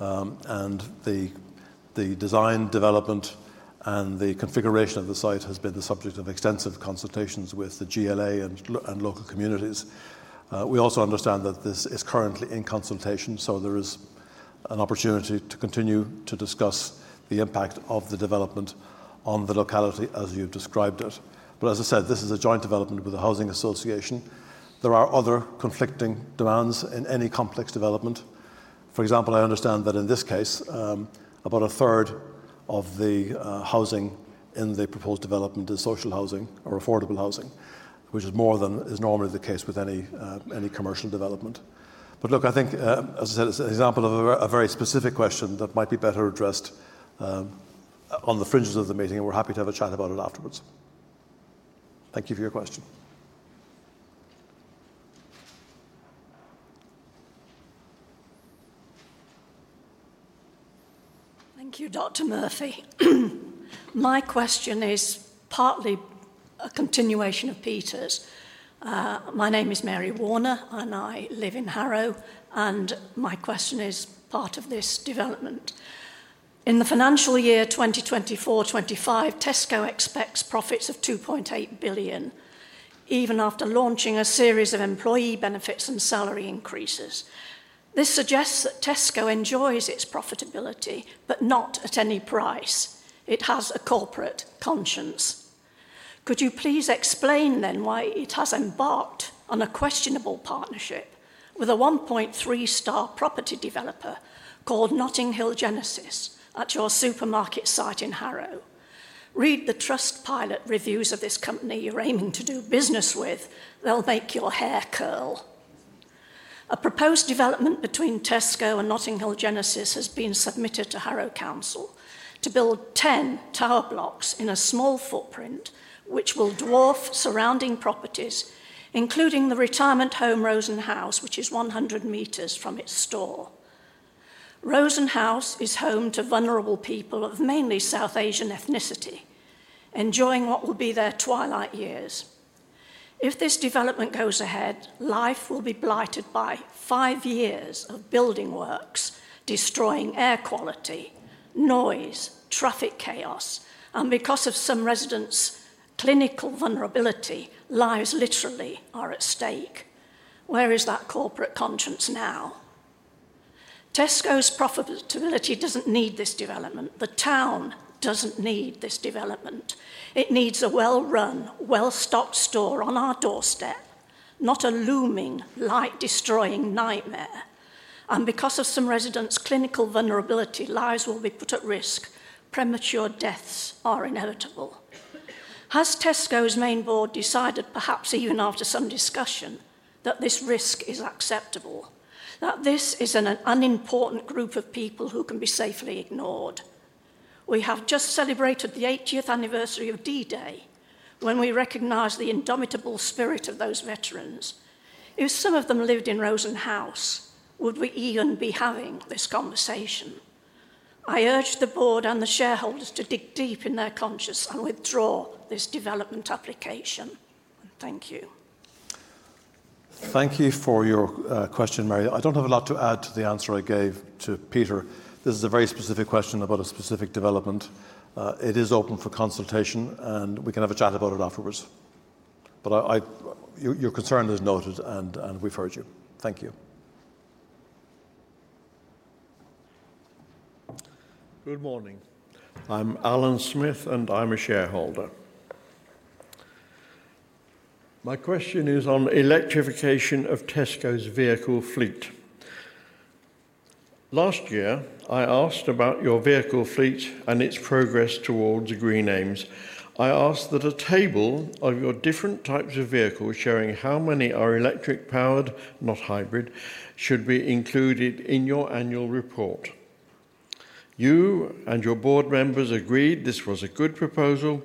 Speaker 1: and the design development and the configuration of the site has been the subject of extensive consultations with the GLA and local communities. We also understand that this is currently in consultation, so there is an opportunity to continue to discuss the impact of the development on the locality as you described it. But as I said, this is a joint development with the housing association. There are other conflicting demands in any complex development. For example, I understand that in this case about a third of the housing in the proposed development is social housing or affordable housing, which is more than is normally the case with any commercial development. But look, I think, as I said, it's an example of a very specific question that might be better addressed on the fringes of the meeting and we're happy to have a chat about it afterwards. Thank you for your question.
Speaker 8: Thank you, Dr. Murphy. My question is partly a continuation of Peter's. My name is Mary Warner and I live in Harrow. My question is part of this development. In the financial year 2024/25, Tesco expects profits of 2.8 billion, even after launching a series of employee benefits and salary increases. This suggests that Tesco enjoys its profitability, but not at any price. It has a corporate conscience. Could you please explain then why it has embarked on a questionable partnership with a 1.3-star property developer called Notting Hill Genesis at your supermarket site in Harrow? Read the Trustpilot reviews of this company you're aiming to do business with. They'll make your hair curl. A proposed development between Tesco and Notting Hill Genesis has been submitted to Harrow Council to build 10 tower blocks in a small footprint which will dwarf surrounding properties, including the retirement home Rosen House, which is 100 meters from its store. Rosen House is home to vulnerable people of mainly South Asian ethnicity enjoying what will be their twilight years. If this development goes ahead, life will be blighted by five years of building works destroying air quality, noise, traffic chaos. Because of some residents' clinical vulnerability, lives literally are at stake. Where is that corporate conscience now? Tesco's profitability doesn't need this development. The town doesn't need this development. It needs a well run, well stocked store on our doorstep, not a looming light destroying nightmare. Because of some residents' clinical vulnerability, lives will be put at risk. Premature deaths are inevitable. Has Tesco's main board decided, perhaps even after some discussion, that this risk is acceptable? That this is an unimportant group of people who can be safely ignored? We have just celebrated the 80th anniversary of D-Day when we recognize the indomitable spirit of those veterans. If some of them lived in Rosen House, would we even be having this conversation? I urge the board and the shareholders to dig deep in their conscience and withdraw this development application. Thank you.
Speaker 1: Thank you for your question, Mary. I don't have a lot to add to the answer I gave to Peter. This is a very specific question about a specific development. It is open for consultation and we can have a chat about it afterwards, but your concern is noted and we've heard you. Thank you.
Speaker 9: Good morning, I'm Alan Smith and I'm a shareholder. My question is on electrification of Tesco's vehicle fleet. Last year I asked about your vehicle fleet and its progress towards green aims. I ask that a table of your different types of vehicles showing how many are electric powered, not hybrid, should be included in your annual report. You and your board members agreed this was a good proposal.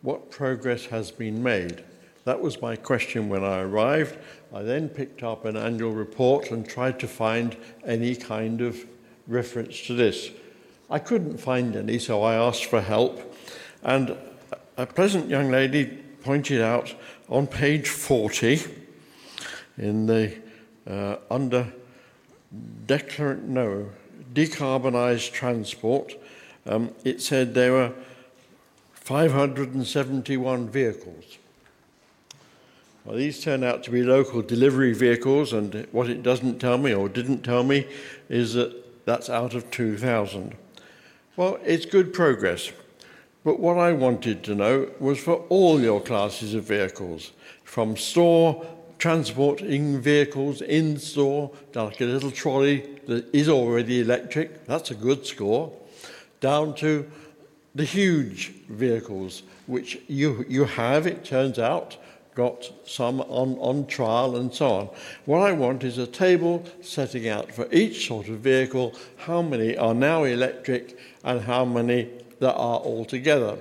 Speaker 9: What progress has been made? That was my question when I arrived. I then picked up an annual report and tried to find any kind of reference to this. I couldn't find any, so I asked for help. A pleasant young lady pointed out on page 40, under decarbonized transport, it said there were 571 vehicles. These turned out to be local delivery vehicles. What it doesn't tell me or didn't tell me is that that's out of 2,000. Well, it's good progress, but what I wanted to know was for all your classes of vehicles from store transporting vehicles in store, like a little trolley that is already electric, that's a good score down to the huge vehicles which you have, it turns out, got some on trial and so on. What I want is a table setting out for each sort of vehicle, how many are now electric and how many that are altogether.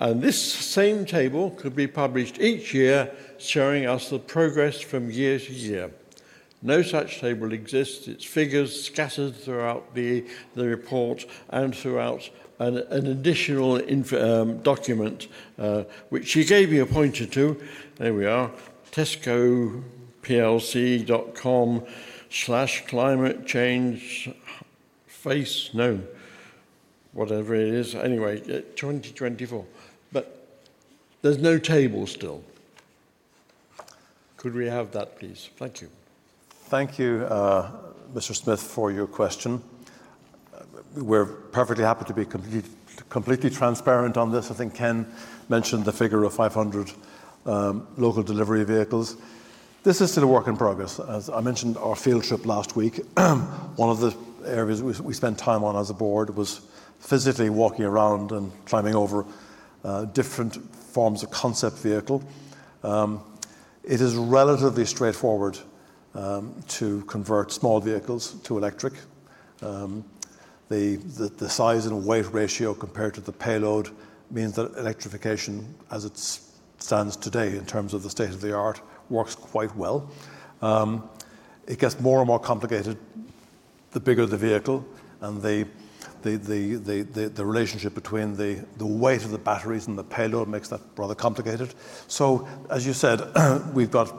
Speaker 9: This same table could be published each year showing us the progress from year to year. No such table exists, it's figures scattered throughout the report and throughout an additional document which he gave me a pointer to. There we are tescoplc.com/climatechange face. No, whatever it is anyway, 2024, but there's no table still. Could we have that please? Thank you.
Speaker 1: Thank you, Mr. Smith, for your question. We're perfectly happy to be complete, completely transparent on this. I think Ken mentioned the figure of 500 local delivery vehicles. This is still a work in progress. As I mentioned our field trip last week, one of the areas we spent time on as a board was physically walking around and climbing over different forms of concept vehicle. It is relatively straightforward to convert vehicles to electric. The size and weight ratio compared to the payload means that electrification as it stands today in terms of the state of the art works quite well. It gets more and more complicated the bigger the vehicle and the relationship between the weight of the batteries and the payload makes that rather complicated. So as you said, we've got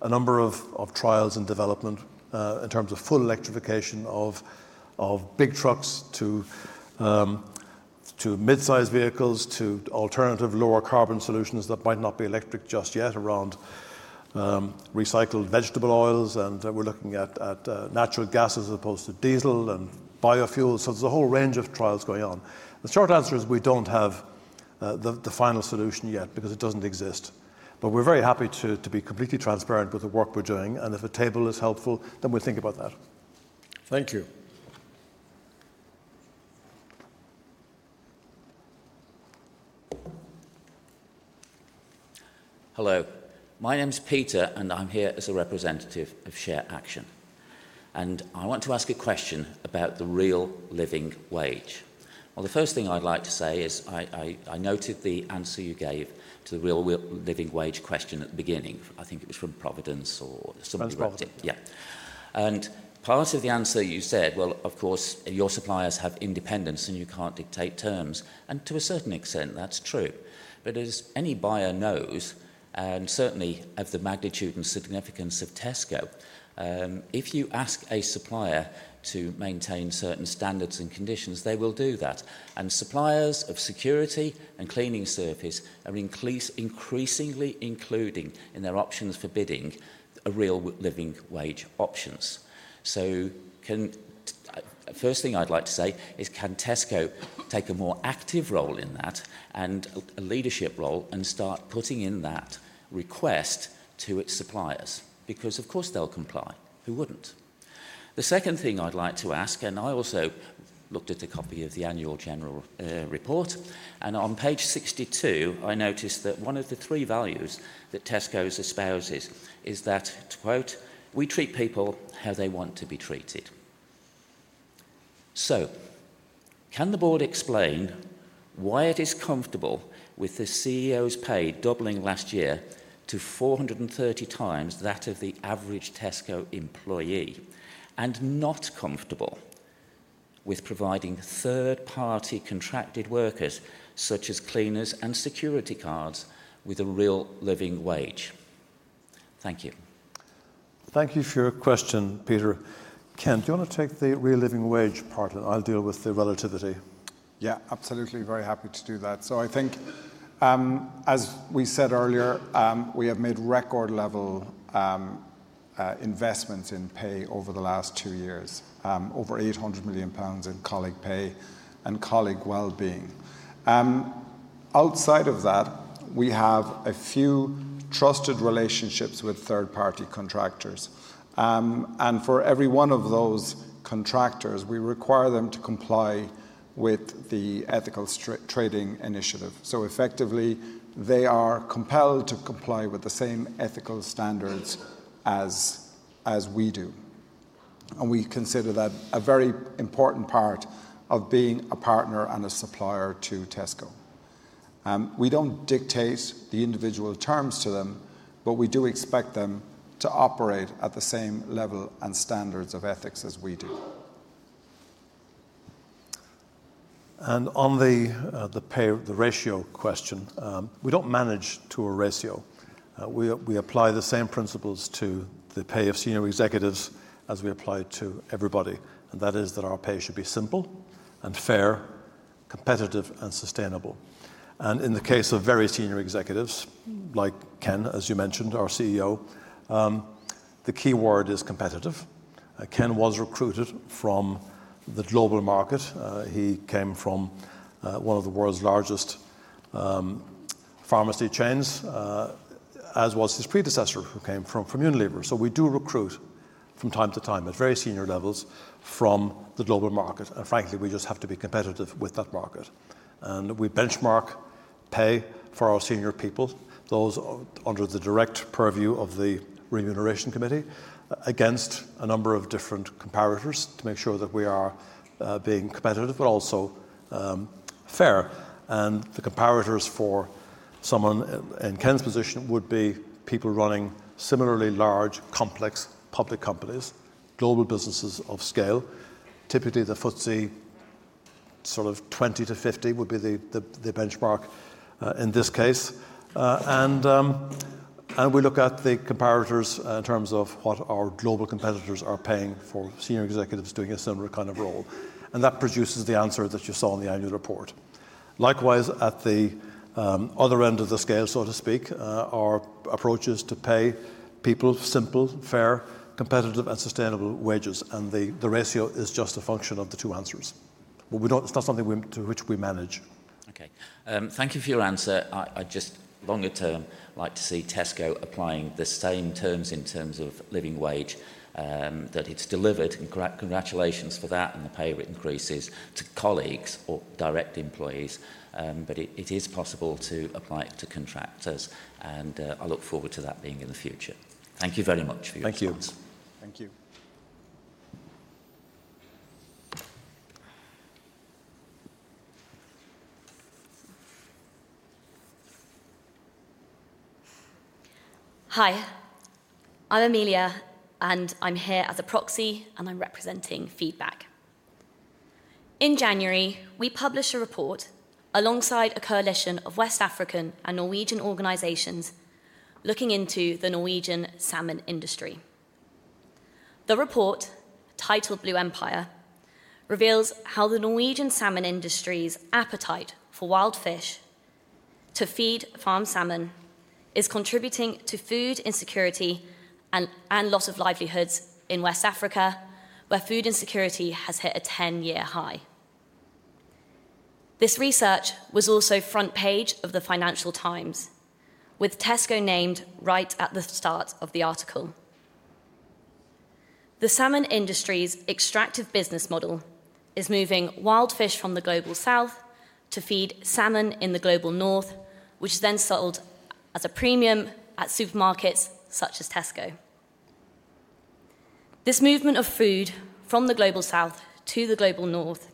Speaker 1: a number of trials in development in terms of full electrification of big trucks to mid-sized vehicles to alternative lower carbon solutions that might not be electric just yet around recycled vegetable oils and we're looking at natural gases as opposed to diesel and biofuels. So there's a whole range of trials going on. The short answer is we don't have the final solution yet because it doesn't exist, but we're very happy to be completely transparent with the work we're doing and if a table is helpful, then we think about that. Thank you.
Speaker 10: Hello, my name's Peter and I'm here as a representative of ShareAction and I want to ask a question about the Real Living Wage. Well, the first thing I'd like to say is I noted the answer you gave to the Real Living Wage question at the beginning. I think it was from Provident or somebody. Yeah. And part of the answer you said, well, of course your suppliers have independence and you can't dictate terms. And to a certain extent that's true. But as any buyer knows, and certainly of the magnitude and significance of Tesco, if you ask a supplier to maintain certain standards and conditions, they will do that. And suppliers of security and cleaning service are increasingly including in their options for bidding Real Living Wage options. First thing I'd like to say is, can Tesco take a more active role in that and a leadership role and start putting in that request to its suppliers? Because of course they'll comply. Who wouldn't? The second thing I'd like to ask, and I also looked at a copy of the annual general report and on page 62 I noticed that one of the three values that Tesco espouses is that we treat people how they want to be treated. So can the board explain why it is comfortable with the CEO's pay doubling last year to 430x that of the average Tesco employee and not comfortable with providing third-party contracted workers such as cleaners and security guards with a real living wage? Thank you.
Speaker 1: Thank you for your question, Peter. Ken, do you want to take the Real Living Wage part and I'll deal with the relativity?
Speaker 2: Yeah, absolutely. Very happy to do that. So I think as we said earlier, we have made record level investments in pay over the last two years, over 800 million pounds in colleague pay and colleague well-being outside of that. We have a few trusted relationships with third-party contractors and for every one of those contractors we require them to comply with the Ethical Trading Initiative. So effectively they are compelled to comply with the same ethical standards as we do. And we consider that a very important part of being a partner and a supplier to Tesco. We don't dictate the individual terms to them, but we do expect them to operate at the same level and standards of ethics as we do.
Speaker 1: On the pay the ratio question, we don't manage to a ratio. We apply the same principles to the pay of senior executives as we apply to everybody. That is that our pay should be simple and fair, competitive and sustainable. In the case of very senior executives like Ken, as you mentioned, our CEO, the key word is competitive. Ken was recruited from the global market. He came from one of the world's largest pharmacy chains, as was his predecessor who came from Unilever. We do recruit from time to time at very senior levels from the global market. Frankly we just have to be competitive with that market. We benchmark pay for our senior people, those under the direct purview of the Remuneration Committee, against a number of different comparators to make sure that we are being competitive but also fair. The comparators for someone in Ken's position would be people running similarly large, complex public companies, global businesses of scale. Typically the FTSE sort of 20-50 would be the benchmark in this case. We look at the comparators in terms of what our global competitors are paying for senior executives doing a similar kind of role. That produces the answer that you saw in the annual report. Likewise, at the other end of the scale, so to speak, our approaches to people, simple, fair, competitive and sustainable wages. The ratio is just a function of the two answers. But it's not something which we manage.
Speaker 10: Okay, thank you for your answer. I'd just longer term like to see Tesco applying the same terms in terms of living wage that it's delivered. Congratulations for that. And the pay increases to colleagues or direct employees. But it is possible to apply it to contractors and I look forward to that being in the future. Thank you very much for your comments.
Speaker 1: Thank you.
Speaker 2: Thank you.
Speaker 11: Hi, I'm Amelia, and I'm here as a proxy, and I'm representing Feedback. In January, we published a report alongside a coalition of West African and Norwegian organizations looking into the Norwegian salmon industry. The report, titled Blue Empire, reveals how the Norwegian salmon industry's appetite for wild fish to feed farmed salmon is contributing to food insecurity and a lot of livelihoods in West Africa where food insecurity has hit a 10-year high. This research was also front page of the Financial Times with Tesco named right at the start of the article. The salmon industry's extractive business model is moving wild fish from the Global South to feed salmon in the Global North, which then sold as a premium at supermarkets such as Tesco. This movement of food from the Global South to the Global North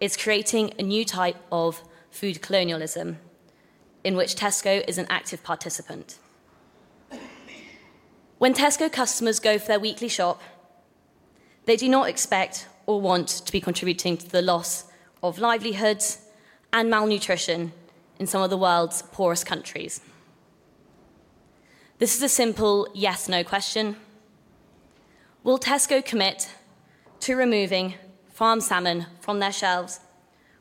Speaker 11: is creating a new type of food colonialism in which Tesco is an active participant. When Tesco customers go for their weekly shop, they do not expect or want to be contributing to the loss of livelihoods malnutrition in some of the world's poorest countries. This is a simple yes, no question. Will Tesco commit to removing farmed salmon from their shelves,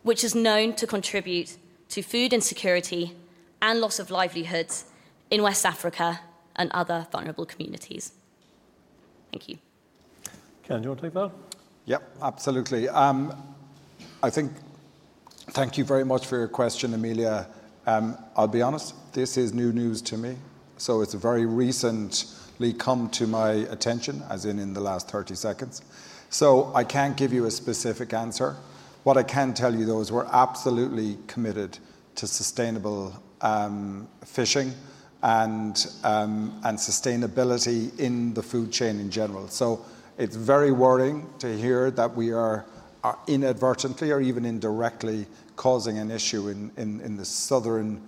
Speaker 11: which is known to contribute to food insecurity and loss of livelihoods in West Africa and other vulnerable communities? Thank you.
Speaker 1: Ken, you want to take that?
Speaker 2: Yep, absolutely, I think. Thank you very much for your question, Amelia. I'll be honest, this is new news to me, so it's very recently come to my attention, as in, in the last 30 seconds, so I can't give you a specific answer. What I can tell you though is we're absolutely committed to sustainable fishing and sustainability, sustainability in the food chain in general. So it's very worrying to hear that we are inadvertently or even indirectly causing an issue in the southern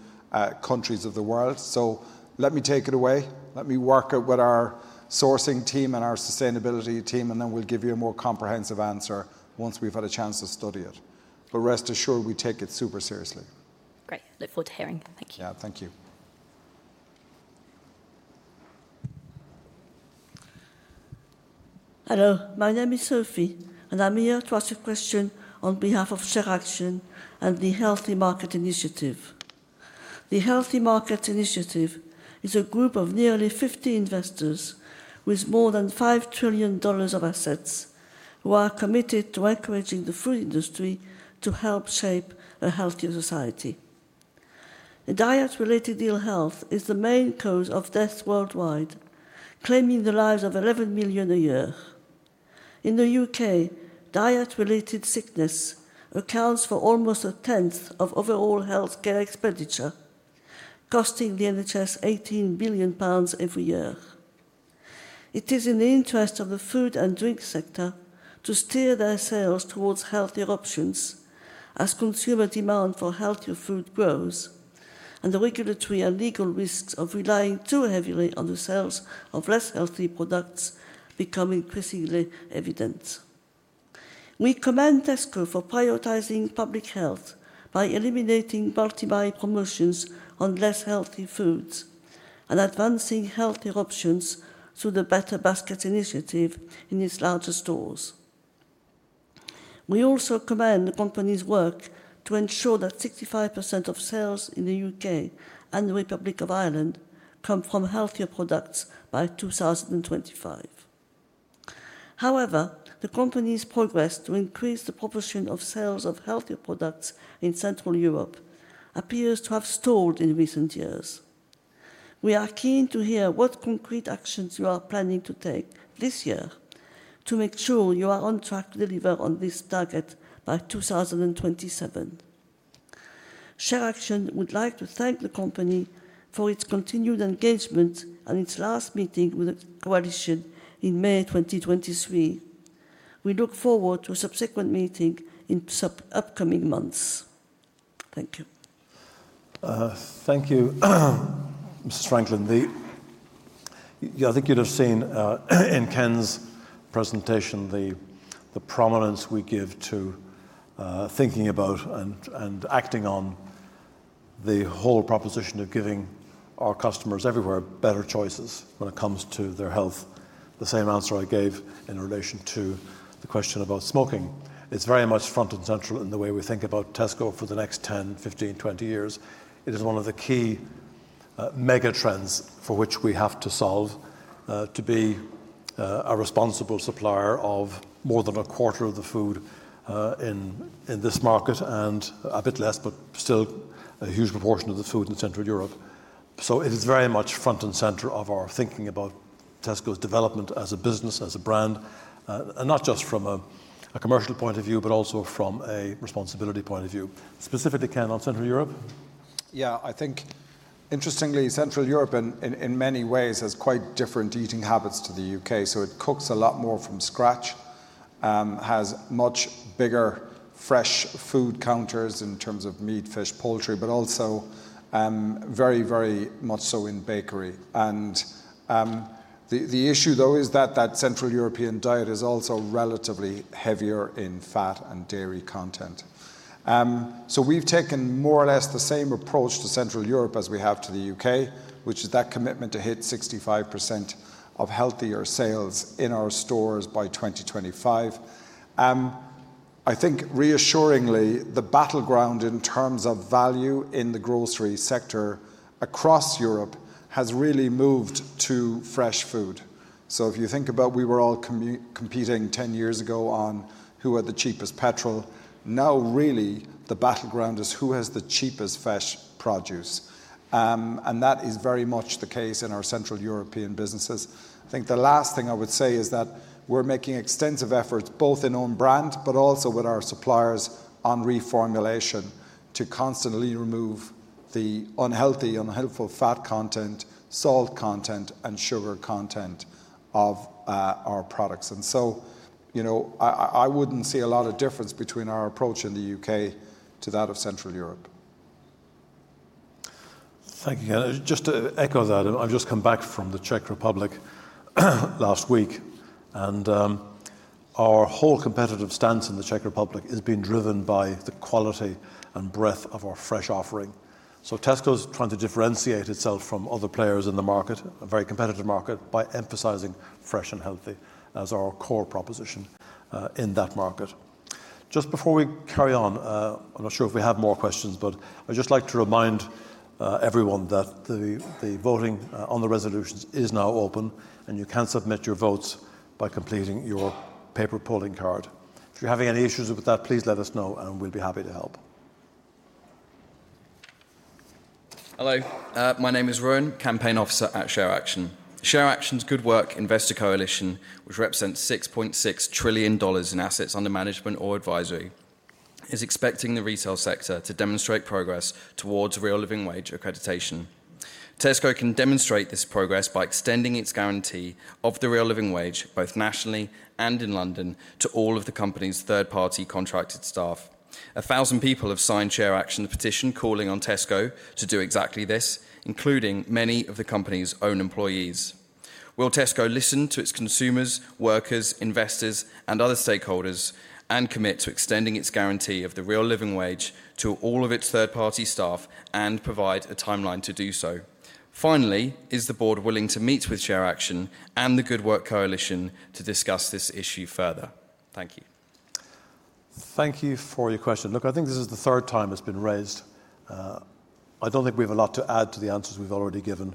Speaker 2: countries of the world. So let me take it away, let me work it with our sourcing team and our sustainability team and then we'll give you a more comprehensive answer once we've had a chance to study it. But rest assured, we take it super seriously.
Speaker 11: Great, look forward to hearing. Thank you.
Speaker 2: Yeah, thank you.
Speaker 12: Hello, my name is Sophie and I'm here to ask a question on behalf of ShareAction and the Healthy Market Initiative. The Healthy Markets Initiative is a group of nearly 50 investors with more than $5 trillion of assets who are committed to encouraging the food industry to help shape a healthier society. Diet related ill health is the main cause of death worldwide, claiming the lives of 11 million a year in the U.K. Diet related sickness accounts for almost a tenth of overall health care expenditure, costing the NHS 18 billion pounds every year. It is in the interest of the food and drink sector to steer their sales towards healthier options. As consumer demand for healthier food grows and the regulatory and legal risks of relying too heavily on the sales of less healthy products become increasingly evident. We commend Tesco for prioritizing public health by eliminating multi buy promotions on less healthy foods and advancing healthier options through the Better Baskets initiative in its larger stores. We also commend the company's work to ensure that 65% of sales in the U.K. and the Republic of Ireland come from healthier products by 2025. However, the company's progress to increase the proportion of sales of healthier products in Central Europe appears to have stalled in recent years. We are keen to hear what concrete actions you are planning to take this year to make sure you are on track to deliver on this target by 2027. ShareAction would like to thank the company for its continued engagement and its last meeting with the coalition in May 2023. We look forward to a subsequent meeting in upcoming months. Thank you.
Speaker 1: Thank you, Mrs. Franklin. I think you'd have seen in Ken's presentation the prominence we give to thinking about and acting on the whole proposition of giving our customers everywhere better choices when it comes to their health. The same answer I gave in relation to the question about smoking. It's very much front and central in the way we think about Tesco for the next 10, 15, 20 years. It is one of the key mega trends for which we have to solve to be a responsible supplier of more than a quarter of the food in this market and a bit less, but still a huge proportion of the food in Central Europe. So it is very much front and center of our thinking about Tesco's development as a business, as a brand, and not just from a commercial point of view, but also from a responsibility point of view. Specifically, Ken, on Central Europe.
Speaker 2: Yeah, I think, interestingly, Central Europe in many ways has quite different eating habits to the UK, so it cooks a lot more from scratch, has much bigger fresh food counters in terms of meat, fish, poultry, but also very, very much so in bakery. And the issue, though, is that that Central European diet is also relatively heavier in fat and dairy content. So we've taken more or less the same approach to Central Europe as we have to the UK, which is that commitment to hit 65% of healthier sales in our stores by 2025. I think, reassuringly, the battleground in terms of value in the grocery sector across Europe has really moved to fresh food. So if you think about, we were all competing 10 years ago on who had the cheapest petrol. Now really the battleground is who has the cheapest fresh produce. That is very much the case in our Central European businesses. I think the last thing I would say is that we're making extensive efforts, both in own brand, but also with our suppliers, on reformulation, to constantly remove the unhealthy, unhelpful fat content, salt content and sugar content of our products. So, you know, I wouldn't see a lot of difference between our approach in the UK to that of Central Europe.
Speaker 1: Thank you. Just to echo that I've just come back from the Czech Republic last week and our whole competitive stance in the Czech Republic is being driven by the quality and breadth of our fresh offering. So Tesco's trying to differentiate itself from other players in the market, a very competitive market, by emphasizing fresh and healthy as our core proposition in that market. Just before we carry on, I'm not sure if we have more questions, but I'd just like to remind you, everyone, that the voting on the resolutions is now open and you can submit your votes by completing your paper polling card. If you're having any issues with that, please let us know and we'll be happy to help.
Speaker 13: Hello, my name is Rowan, Campaign Officer at ShareAction. ShareAction's Good Work Investor Coalition, which represents $6.6 trillion in assets under management or advisory, is expecting the retail sector to demonstrate progress towards real living wage accreditation. Tesco can demonstrate this progress by extending its guarantee of the real living wage, both nationally and in London to all of the company's third party contracted staff. 1,000 people have signed ShareAction petition calling on Tesco to do exactly this, including many of the company's own employees. Will Tesco listen to its consumers, workers, investors and other stakeholders and commit to extending its guarantee of the real living wage to all of its third party staff and provide a timeline to do so? Finally, is the board willing to meet with ShareAction and the Good Work Coalition to discuss this issue further? Thank you.
Speaker 1: Thank you for your question. Look, I think this is the third time it's been raised. I don't think we have a lot to add to the answers we've already given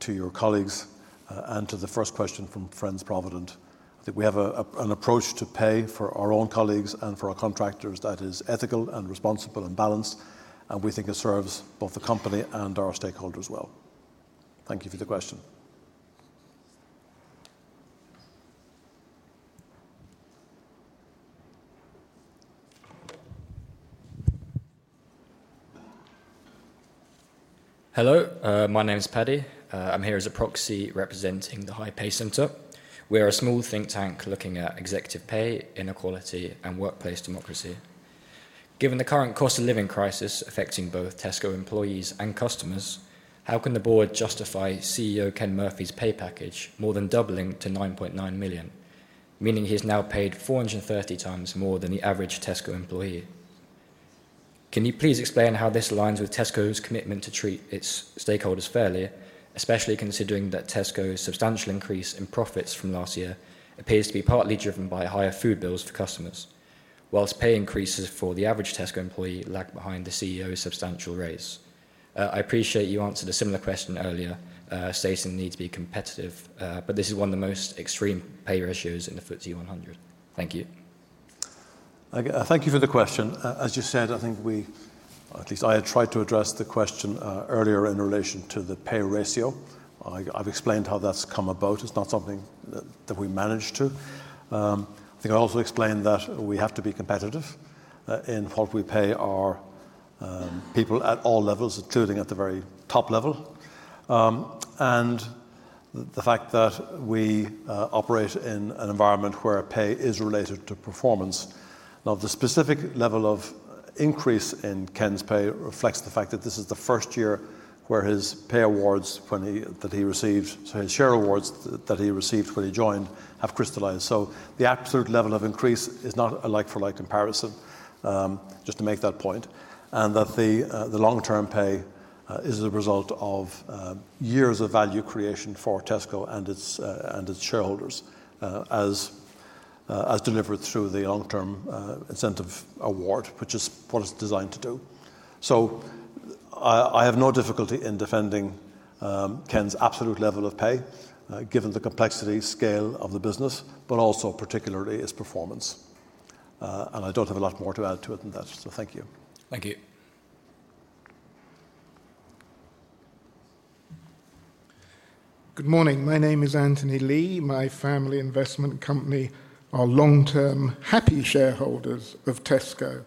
Speaker 1: to your colleagues. And to the first question from Friends Provident. I think we have an approach to pay for our own colleagues and for our contractors that is ethical and responsible and balanced. And we think it serves both the company and our stakeholders well. Thank you for the question.
Speaker 14: Hello, my name is Paddy. I'm here as a proxy representing the High Pay Centre. We are a small think tank looking at executive pay, inequality and workplace democracy. Given the current cost of living crisis affecting both Tesco employees and customers, how can the board justify CEO Ken Murphy's pay package more than doubling to 9.9 million, meaning he's now paid 430x more than the average Tesco employee? Can you please explain how this aligns with Tesco's commitment to treat its stakeholders fairly? Especially considering that Tesco's substantial increase in profits from last year appears to be partly driven by higher food bills for customers, while pay increases for the average Tesco employee lag behind the CEO's substantial raise. I appreciate you answered a similar question earlier stating needs be competitive but this is one of the most extreme pay ratios in the FTSE 100.
Speaker 1: Thank you, thank you for the question. As you said, I think we at least I had tried to address the question earlier in relation to the pay ratio. I've explained how that's come about. It's not something that we managed to. I think I also explained that we have to be competitive in what we pay our people at all levels, trading at the very top level and the fact that we operate in an environment where pay is related to performance. Now the specific level of increase in Ken's pay reflects the fact that this is the first year where his pay awards that he received, his share awards that he received when he joined have crystallized. So the absolute level of increase is not a like-for-like comparison just to make that point, and that the long-term pay is the result of years of value creation for Tesco and its shareholders as delivered through the long-term incentive award which is what it's designed to do. So I have no difficulty in defending Ken's absolute level of pay given the complexity scale of the business. But also protecting particularly is performance and I don't have a lot more to add to it than that. So thank you. Thank you.
Speaker 15: Good morning, my name is Anthony Lee. My family investment company are long term happy shareholders of Tesco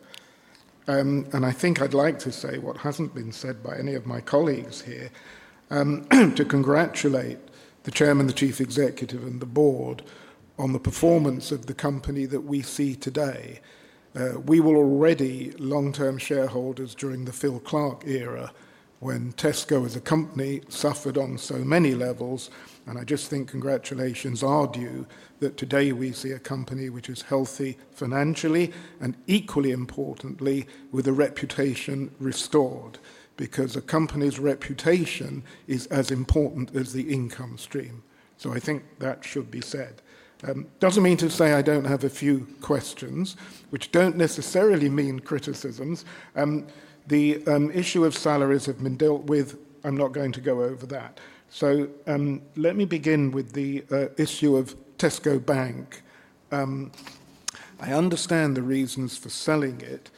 Speaker 15: and I think I'd like to say what hasn't been said by any of my colleagues here to congratulate the chairman, the chief executive and the board on the performance of the company that we see today. We will already long term shareholders during the Philip Clarke era when Tesco as a company suffered on so many levels. I just think congratulations are due that today we see a company which is healthy financially and equally importantly with a reputation restored because a company's reputation is as important as the income stream. I think that should be said. It doesn't mean to say I don't have a few questions which don't necessarily mean criticisms. The issue of salaries have been dealt with. I'm not going to go over that. So let me begin with the issue of Tesco Bank. I understand the reasons for selling it,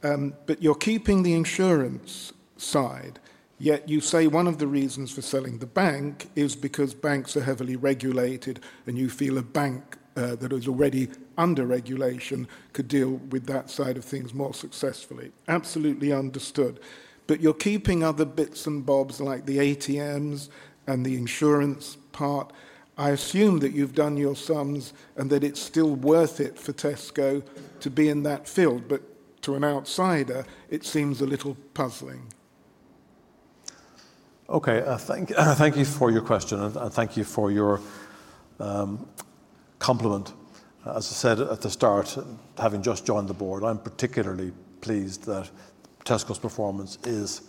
Speaker 15: but you're keeping the insurance side. Yet you say one of the reasons for selling the bank is because banks are heavily regulated and you feel a bank that is already under regulation could deal with that side of things more successfully. Absolutely understood. But you're keeping other bits and bobs like the ATMs and the insurance part. I assume that you've done your sums and that it's still worth it for Tesco to be in that field, but to an outsider it seems a little puzzling.
Speaker 1: Okay, thank you for your question and thank you for your compliment. As I said at the start, having just joined the board, I'm particularly pleased that Tesco's performance is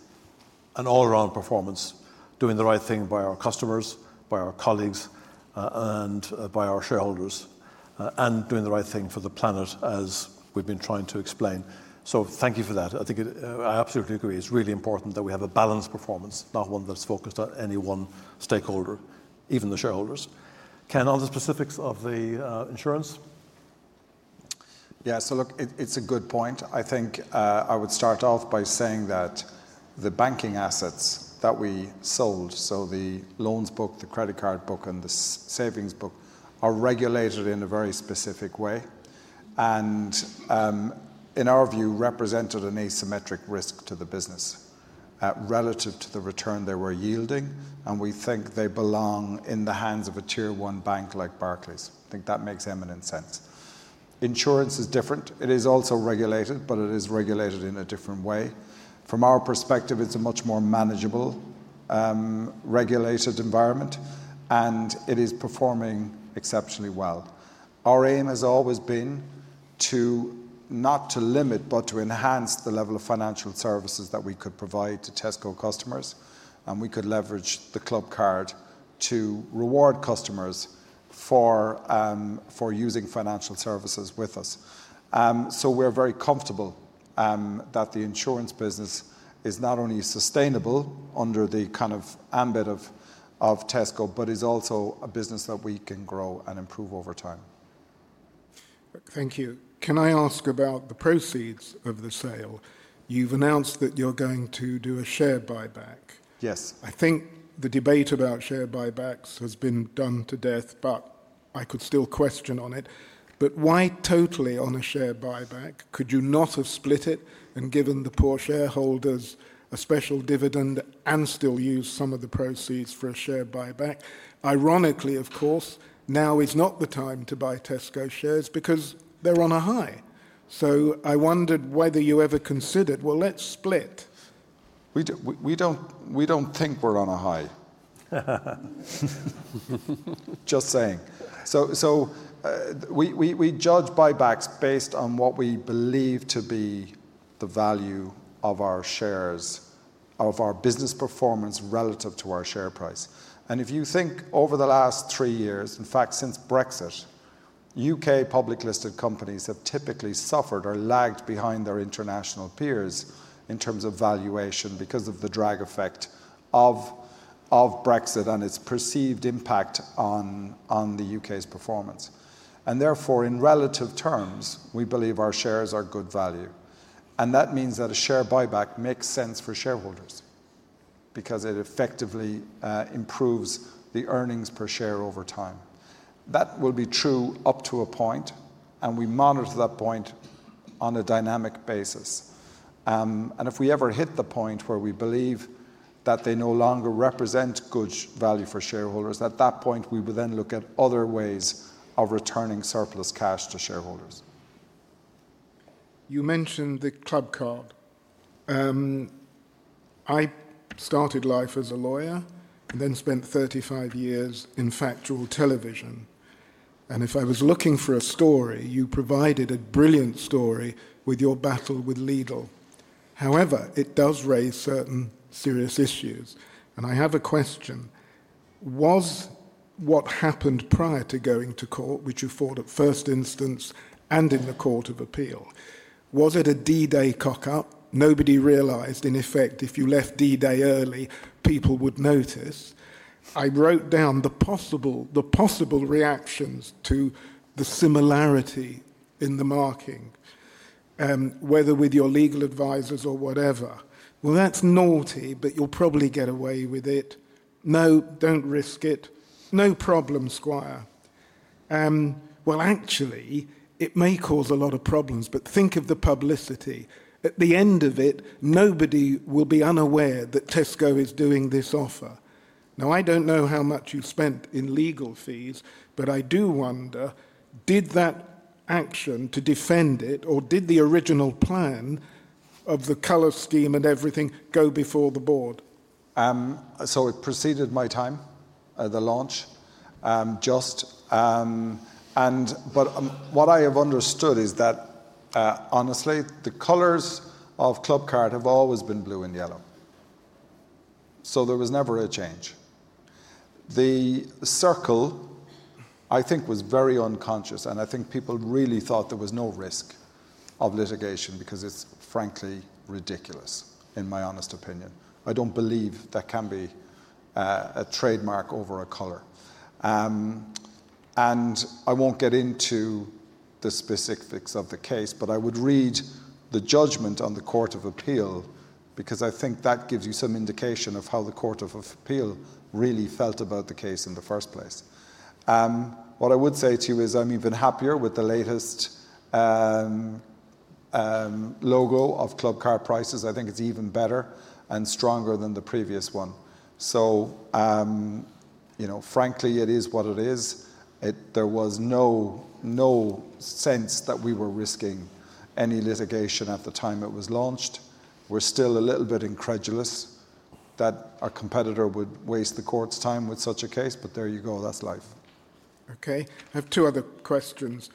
Speaker 1: an all around performance. Doing the right thing by our customers, by our colleagues and by our shareholders and doing the right thing for the planet, as we've been trying to explain. So thank you for that, I think. I absolutely agree. It's really important that we have a balanced performance, not one that's focused on any one stakeholder, even the shareholders. Ken, on the specifics of the insurance.
Speaker 2: Yeah, so look, it's a good point. I think I would start off by saying that the banking assets that we sold, so the loans book, the credit card book and the savings book are regulated in a very specific way and in our view represented an asymmetric risk to the business relative to the return they were yielding. We think they belong in the hands of a tier one bank like Barclays. I think that makes eminent sense. Insurance is different, it is also regulated, but it is regulated in a different way. From our perspective, it's a much more manageable regulated environment and it is performing exceptionally well. Our aim has always been to not to limit but to enhance the level of financial services that we could provide to Tesco customers and we could leverage the Clubcard to reward customers for using financial services with us. So we're very comfortable that the insurance business is not only sustainable under the kind of ambit of Tesco, but is also a business that we can grow and improve over time.
Speaker 15: Thank you. Can I ask about the proceeds of the sale? You've announced that you're going to do a share buyback. Yes, I think the debate about share buybacks has been done to death. But I could still question on it. But why totally on a share buyback? Could you not have split it and given the poor shareholders a special dividend and still use some of the proceeds for a share buyback? Ironically, of course, now is not the time to buy Tesco shares because they're on a high. So I wondered whether you ever considered, well, let's split.
Speaker 1: We don't think we're on a high, just saying. So we judge buybacks based on what we believe to be the value of our shares, of our business performance relative to our share price. And if you think over the last three years. In fact, since Brexit, U.K. public listed companies have typically seen, suffered or lagged behind their international peers in terms of valuation because of the drag effect of Brexit and its perceived impact on the U.K.'s performance. And therefore, in relative terms, we believe our shares are good value. And that means that a share buyback makes sense for shareholders because it effectively improves the earnings per share over time. That will be true up to a point, and we monitor that point on a dynamic basis. If we ever hit the point where we believe that they no longer represent good value for shareholders, at that point, we will then look at other ways of returning surplus cash to shareholders.
Speaker 15: You mentioned the Clubcard. I started life as a lawyer and then spent 35 years in factual television. And if I was looking for a story, you provided a brilliant story with your battle with Lidl. However, it does raise certain serious issues. And I have a question. Was what happened prior to going to court, which you fought at first instance and in the Court of Appeal? Was it a D-Day cock up? Nobody realized, in effect, if you left D-Day early, people would notice. I wrote down the possible reactions to the similarity in the marketing, whether with your legal advisors or whatever. Well, that's naughty, but you'll probably get away with it. No, don't risk it. No problem, squire. Well, actually it may cause a lot of problems, but think of the publicity at the end of it. Nobody will be unaware that Tesco is doing this offer. Now, I don't know how much you spent in legal fees, but I do wonder, did that action to defend it or did the original plan of the color scheme and everything go before the board?
Speaker 2: It preceded my time, the launch, just. But what I have understood is that honestly, the colors of Clubcard have always been blue and yellow, so there was never a change. The circle, I think, was very unconscious and I think people really thought there was no risk of litigation because it's frankly ridiculous. In my honest opinion, I don't believe that can be a trademark over a color. And I won't get into the specifics of the case, but I would read the judgment on the Court of Appeal because I think that gives you some indication of how the Court of Appeal really felt about the case in the first place. What I would say to you is, I'm even happier with the latest logo of Clubcard Prices. I think it's even better and stronger than the previous one. So, you know, frankly, it is what it is. There was no sense that we were risking any litigation at the time it was launched. We're still a little bit incredulous that our competitor would waste the court's time with such a case, but there you go, that's life.
Speaker 15: Okay, I have two other questions.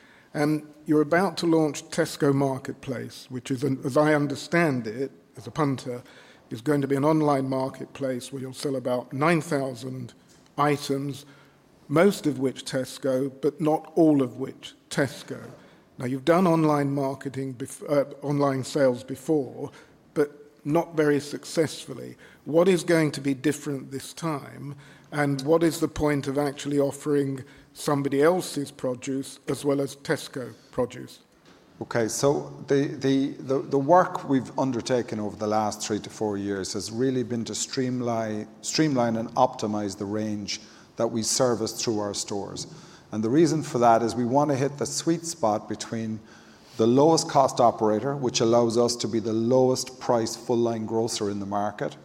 Speaker 15: You're about to launch Tesco Marketplace, which is, as I understand it as a punter, is going to be an online marketplace where you'll sell about 9,000 items, most of which Tesco, but not all of which Tesco. Now, you've done online marketing, online sales before, but not very successfully. What is going to be different this time? And what is the point of actually offering somebody else's produce as well as Tesco produce?
Speaker 2: Okay, so the work we've undertaken over the last three to four years has really been to streamline and optimize the range that we service through our stores. The reason for that is we want to hit the sweet spot between the lowest cost operator, which allows us to be the lowest price full line grocer in the market.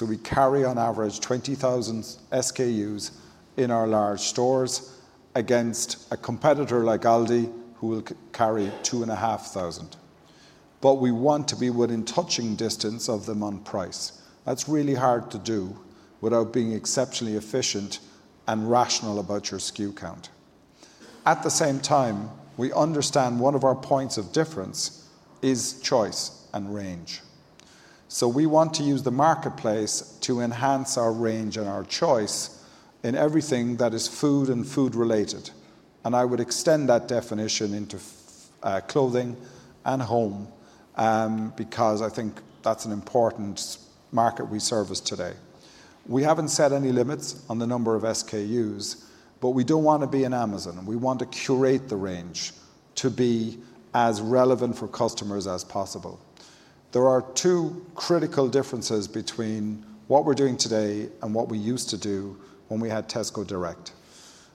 Speaker 2: We carry on average 20,000 stores, SKUs in our large stores against a competitor like Aldi, who will carry 2,500. But we want to be within touching distance of them on price. That's really hard to do without being exceptionally efficient and rational about your SKU count. At the same time, we understand one of our points of difference is choice and range. We want to use the marketplace to enhance our range and our choice in everything that is food and food related. I would extend that definition into clothing and home because I think that's an important market we service today. We haven't set any limits on the number of SKUs, but we don't want to be in Amazon. We want to curate the range to be relevant for customers as possible. There are two critical differences between what we're doing today and what we used to do when we had Tesco Direct.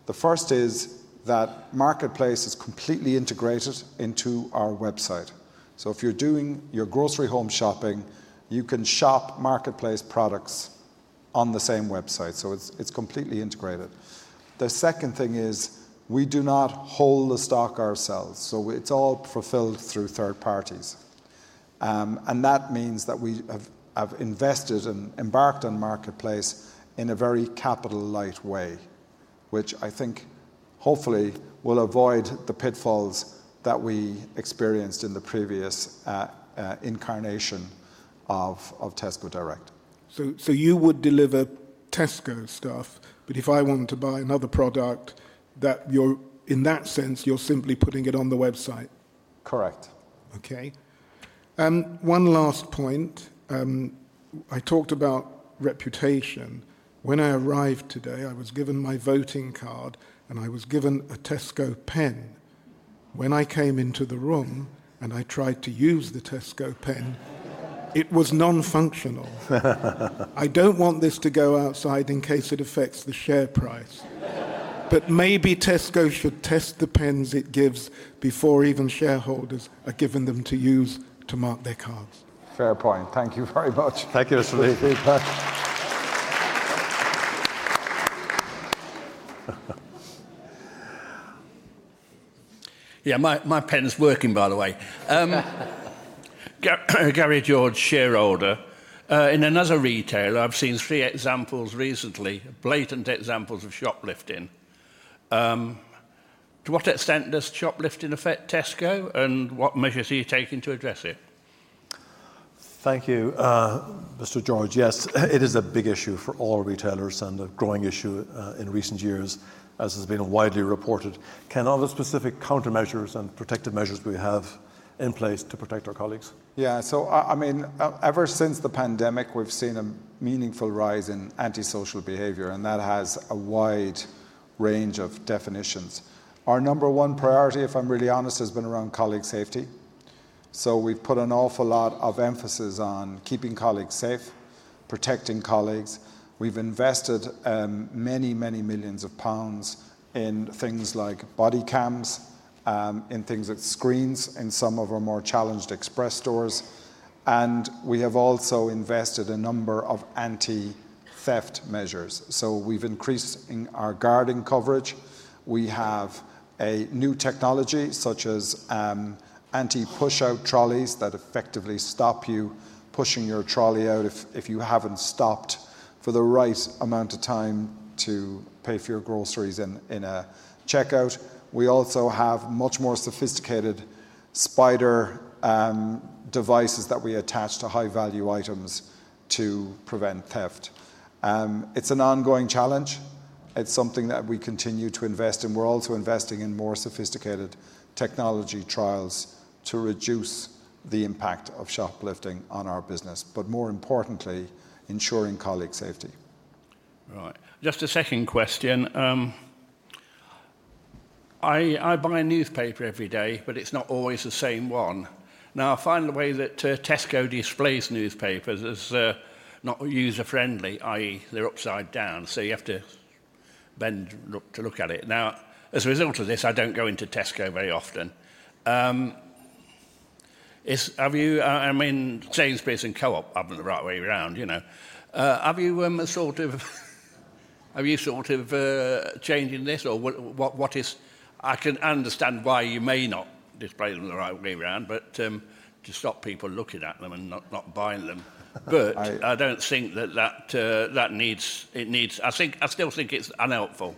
Speaker 2: The first is that Marketplace is completely integrated into our website. So if you're doing your grocery home shopping, you can shop Marketplace products on the same website. So it's completely integrated. The second thing is we do not hold the stock ourselves. So it's all fulfilled through third parties. That means that we have invested and embarked on Marketplace in a very capital light way, which I think hopefully will avoid the pitfalls that we experienced in the previous incarnation of Tesco Direct.
Speaker 15: So you would deliver Tesco stuff, but if I want to buy another product in that sense, you're simply putting it on the website.
Speaker 2: Correct.
Speaker 15: Okay, one last point. I talked about reputation when I arrived today. I was given my voting card and I was given a Tesco pen. When I came into the room and I tried to use the Tesco pen, it was non-functional. I don't want this to go outside in case it affects the share price, but maybe Tesco should test the pens it gives before even shareholders are given them to use to mark their cards.
Speaker 2: Fair point. Thank you very much.
Speaker 1: Thank you.
Speaker 16: Yeah, my pen's working, by the way. Gary George, shareholder in another retailer. I've seen three examples recently, blatant examples of shoplifting. To what extent does shoplifting affect Tesco? What measures are you taking to address it?
Speaker 1: Thank you, Mr. George. Yes, it is a big issue for all retailers and a growing issue in recent years, as has been widely reported. Can all the specific countermeasures and protective measures we have in place to protect our colleagues.
Speaker 2: Yeah, so I mean, ever since the pandemic we've seen a meaningful rise in antisocial behavior and that has a wide range of definitions. Our number one priority, if I'm really honest, has been around colleague safety. So we've put an awful lot of emphasis on keeping colleagues safe. Safe protecting colleagues. We've invested many, many millions of GBP in things like body cams, in things like screens, in some of our more challenged express stores and we have also invested a number of anti-theft measures. So we've increased our guarding coverage. We have a new technology such as anti-pushout trolleys that effectively stop you pushing your trolley out if you haven't stopped for the right amount of time to pay for your groceries in a checkout. We also have much more sophisticated spider devices that we attach to high-value items to prevent theft. It's an ongoing challenge, it's something that we continue to invest in. We're also investing in more sophisticated technology trials to reduce the impact of shoplifting on our business, but more importantly ensuring colleague safety.
Speaker 16: Right, just a second question. I buy newspaper every day but it's. Not always the same one. Now I find the way that Tesco displays newspapers as not user friendly, i.e. They're upside down down, so you. Have to bend to look at it. Now, as a result of this, I don't go into Tesco very often. I mean Sainsbury's and Co-op the right way around. You know, have you sort of, are you sort of changing this or what? I can understand why you may not. Display them the right way around but. To stop people looking at them and not buying them. But I don't think that needs. I still think it's unhelpful.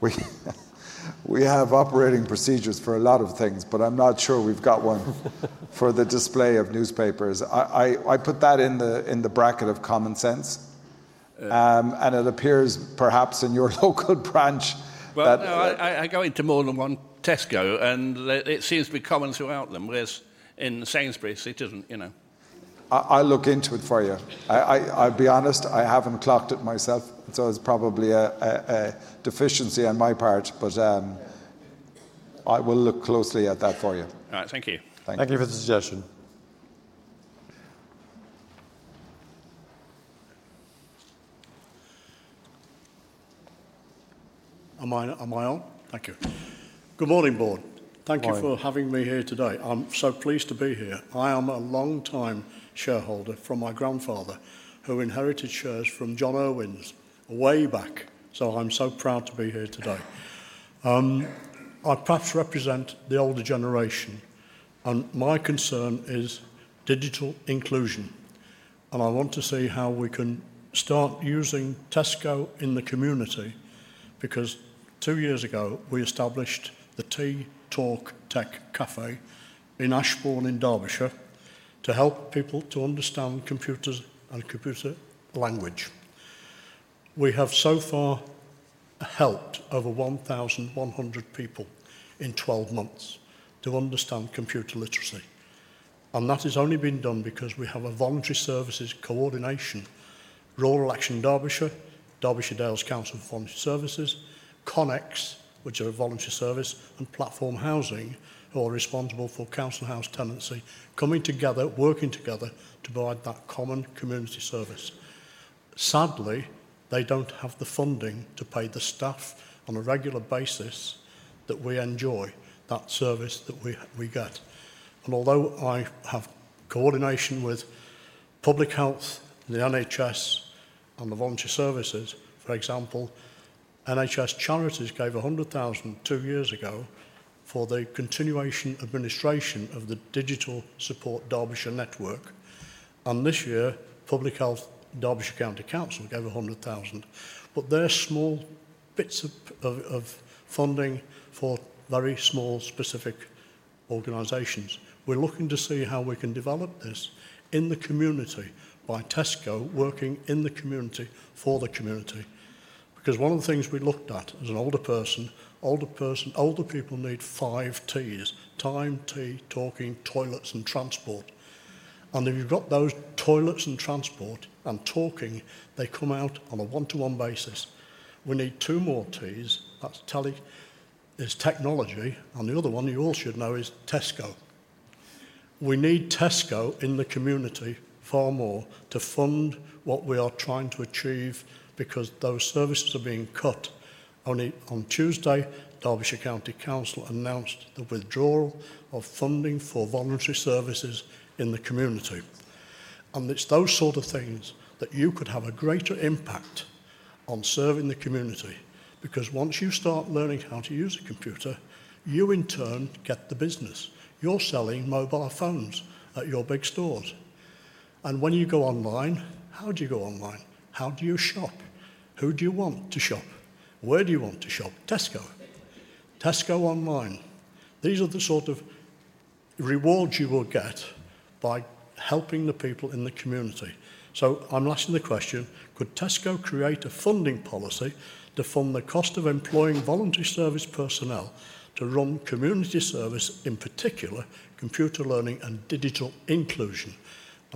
Speaker 2: We have operating procedures for a lot of things, but I'm not sure we've got one for the display of newspapers. I put that in the bracket of common sense and it appears perhaps in your local branch.
Speaker 16: I go into more than one Tesco and it seems to be common throughout. Them, whereas in Sainsbury's it isn't.
Speaker 2: You know, I look into it for you. I'll be honest, I haven't clocked it myself, so it's probably a deficiency on my part. I will look closely at that for you.
Speaker 16: All right, thank you.
Speaker 2: Thank you for the suggestion.
Speaker 17: Am I on? Thank you. Good morning, Board. Thank you for having me here today. I'm so pleased to be here. I am a longtime shareholder from my grandfather who inherited shares from John Irwin's way back, so I'm so proud to be here today. I perhaps represent the older generation and my concern is digital inclusion and I want to see how we can start using Tesco in the community. Because two years ago we established the Tea Talk Tech Cafe in Ashbourne in Derbyshire to help people to understand computers and computer language. We have so far helped over 1,100 people in 12 months to understand computer literacy. That has only been done because we have a voluntary services coordination, Rural Action Derbyshire, Derbyshire Dales Council for Voluntary Service, Connex, which are voluntary service and Platform Housing, who are responsible for council house tenancy, coming together, working together to provide that common community service. Sadly, they don't have the funding to pay the staff on a regular basis. We enjoy that service that we get. And although I have coordination with Public Health, the NHS, and The Volunteer Services, for example, NHS charities gave 100,000 two years ago for the continuation administration of the Digital Support Derbyshire Network. And this year Public Health Derbyshire County Council gave 100,000. But they're small bits of funding for very small, specific organizations. We're looking to see how we can develop this in the community by Tesco, working in the community, for the community. Because one of the things we looked at as an older person, older people need five T's: time, tea, talking, toilets and transport. And if you've got those toilets and transport and talking, they come out on a one-to-one basis. We need two more T's, that's tech: technology and the other one you all should know is Tesco. We need Tesco in the community far more to fund what we are trying to achieve because those services are being cut. Only on Tuesday, Derbyshire County Council announced the withdrawal of funding for voluntary services in the community. And it's those sort of things that you could have a greater impact on serving the community. Because once you start learning how to use a computer, you in turn get the business. You're selling mobile phones at your big stores and when you go online, how do you go online? How do you shop? Who do you want to shop? Where do you want Tesco? Tesco online. These are the sort of rewards you will get by helping the people in the community. So I'm asking the question, could Tesco create a funding policy to fund the cost of employing voluntary service personnel to run community service, in particular computer learning and digital inclusion?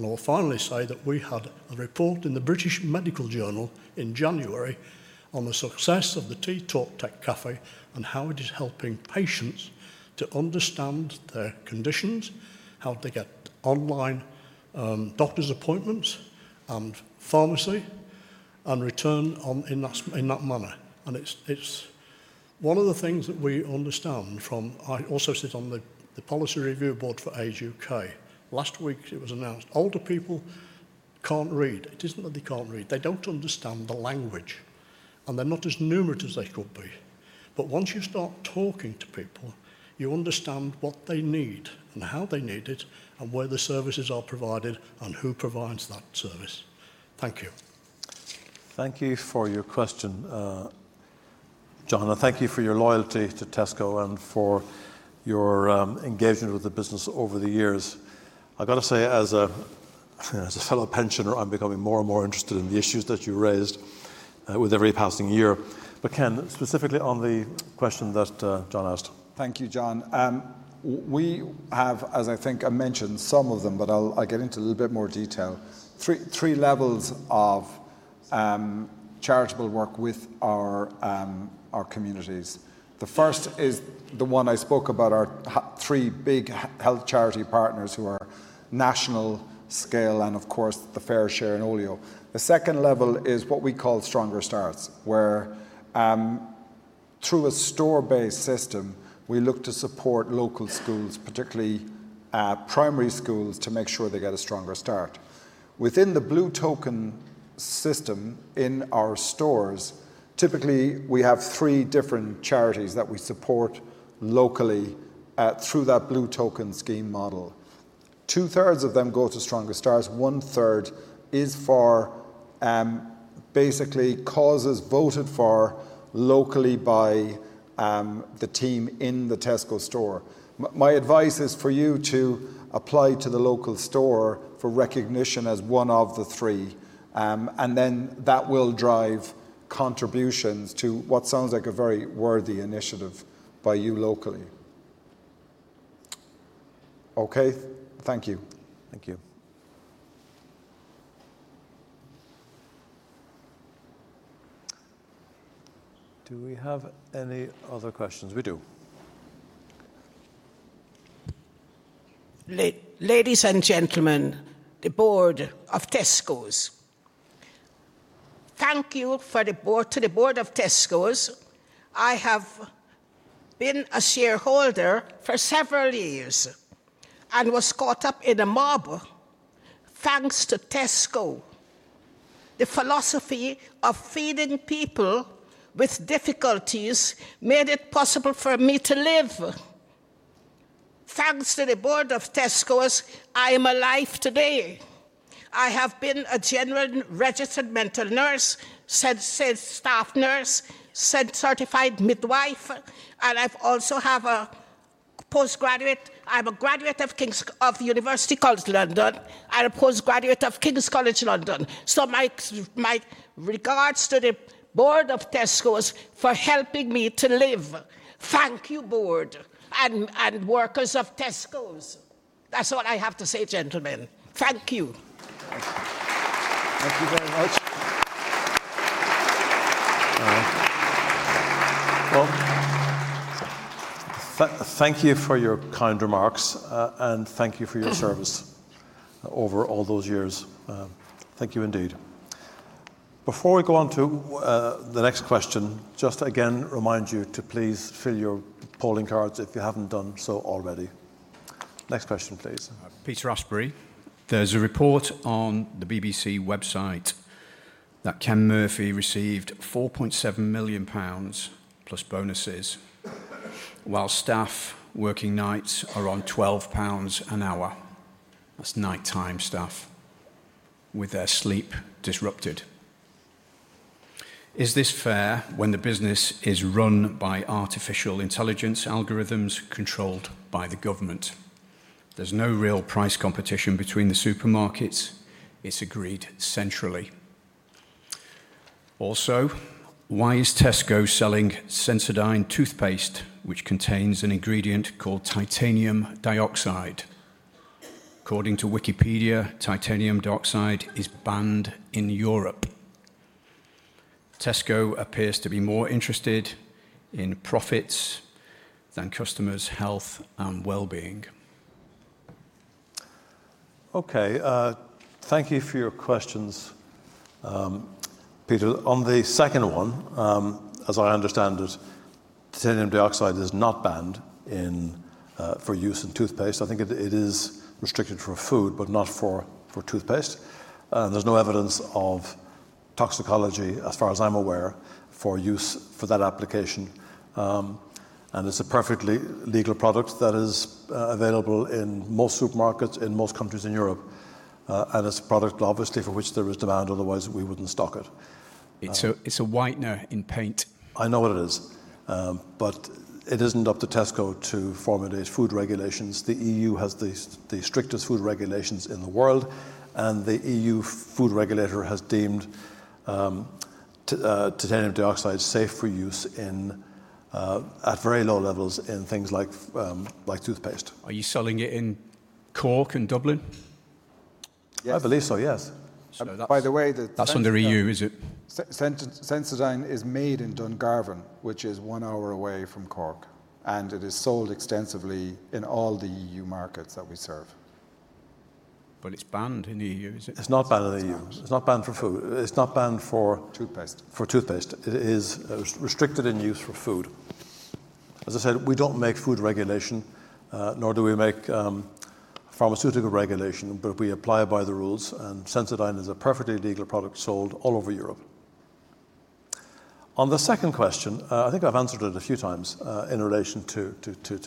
Speaker 17: And I'll finally say that we had a report in the British Medical Journal in January on the success of the Tea Talk Tech Cafe and how it is helping patients to understand their conditions, how to get online doctor's appointments and pharmacy and return in that manner. And it's one of the things that we understand from. I also sit on the policy review board for Age UK. Last week it was announced older people can't read. It isn't that they can't read, they don't understand the language and they're not as numerate as they could be. But once you start talking to people, you understand what they need and how they need it and where the services are provided and who provides that service. Thank you.
Speaker 1: Thank you for your question, John. Thank you for your loyalty to Tesco and for your engagement with the business over the years. I gotta say, as a, as a fellow pensioner, I'm becoming more and more interested in the issues that you raised with every passing year. But Ken, specifically on the question that John asked.
Speaker 2: Thank you, John. We have, as I think I mentioned, some of them, but I'll get into a little bit more detail, three levels of charitable work with our communities. The first is the one I spoke about, our three big health charity partners who are national scale and of course the FareShare and Olio. The second level is what we call Stronger Starts where through a store-based system we look to support local schools, particularly primary schools, to make sure they get a stronger start. We within the Blue Token system in our stores, typically we have three different charities that we support locally through that Blue Token scheme model. Two thirds of them go to Stronger Starts, one third is for basically causes voted for locally by the team in the Tesco store. My advice is for you to apply to the local store for recognition as one of the three and then that will drive contributions to what sounds like a very worthy initiative by you locally.
Speaker 17: Okay, thank you.
Speaker 1: Thank you. Do we have any other questions? We do.
Speaker 18: Ladies and gentlemen, the board of Tesco's. Thank you to the board of Tesco's. I have been a shareholder for several years and was caught up in a mob thanks to Tesco. The philosophy of feeding people with difficulties made it possible for me to live. Thanks to the board of Tesco's, I am alive today. I have been a general registered mental nurse, staff nurse, certified midwife, and I also have a postgraduate. I'm a graduate of King's and University College London and a postgraduate of King's College London. So my regards to the board of Tesco's for helping me to live. Thank you, board and workers of Tesco's. That's all I have to say. Gentlemen, thank you.
Speaker 2: Thank you very much.
Speaker 1: Well, thank you. Thank you for your kind remarks and thank you for your service over all those years. Thank you indeed. Before we go on to the next question, just again remind you to please fill your polling cards if you haven't done so already. Next question, please. Peter Asprey.
Speaker 19: There's a report on the BBC website that Ken Murphy received 4.7 million pounds plus bonuses while staff working nights are on 12 pounds an hour. That's nighttime. Staff with their sleep disrupted. Is this fair when the business is run by artificial intelligence algorithms controlled by the government? There's no real price competition between the supermarkets. It's agreed centrally. Also, why is Tesco selling Sensodyne toothpaste which contains an ingredient called titanium dioxide? According to Wikipedia, titanium dioxide is banned in Europe. Tesco appears to be more interested in profits than customers, health and well-being.
Speaker 1: Okay, thank you for your questions. Peter, on the second one, as I understand it, titanium dioxide is not banned for use in toothpaste. I think it is restricted for food but not for toothpaste. There's no evidence of toxicology, as far as I'm aware, for use for that application. It's a perfectly legal product that is available in most supermarkets in most countries in Europe. It's a product, obviously, for which there is demand, otherwise we wouldn't stock it.
Speaker 19: It's a whitener in paint.
Speaker 1: I know what it is. But it isn't up to Tesco to formulate food regulations. The EU has the strictest food regulations in the world and the EU food regulator has deemed titanium dioxide safe for use in at very low levels in things like toothpaste.
Speaker 19: Are you selling it in Cork? In Dublin?
Speaker 1: I believe so, yes.
Speaker 19: By the way, that's under EU, is it?
Speaker 1: Sensodyne is made in Dungarvan, which is one hour away from Cork and it is sold extensively in all the EU markets that we serve.
Speaker 19: But it's banned in EU.
Speaker 1: It's not banned in the EU. It's not banned for food, it's not banned for toothpaste. For toothpaste. It is restricted in use for food. As I said, we don't make food regulation nor do we make pharmaceutical regulation, but we apply by the rules and Sensodyne is a perfectly legal product sold all over Europe. On the second question, I think I've answered it a few times in relation to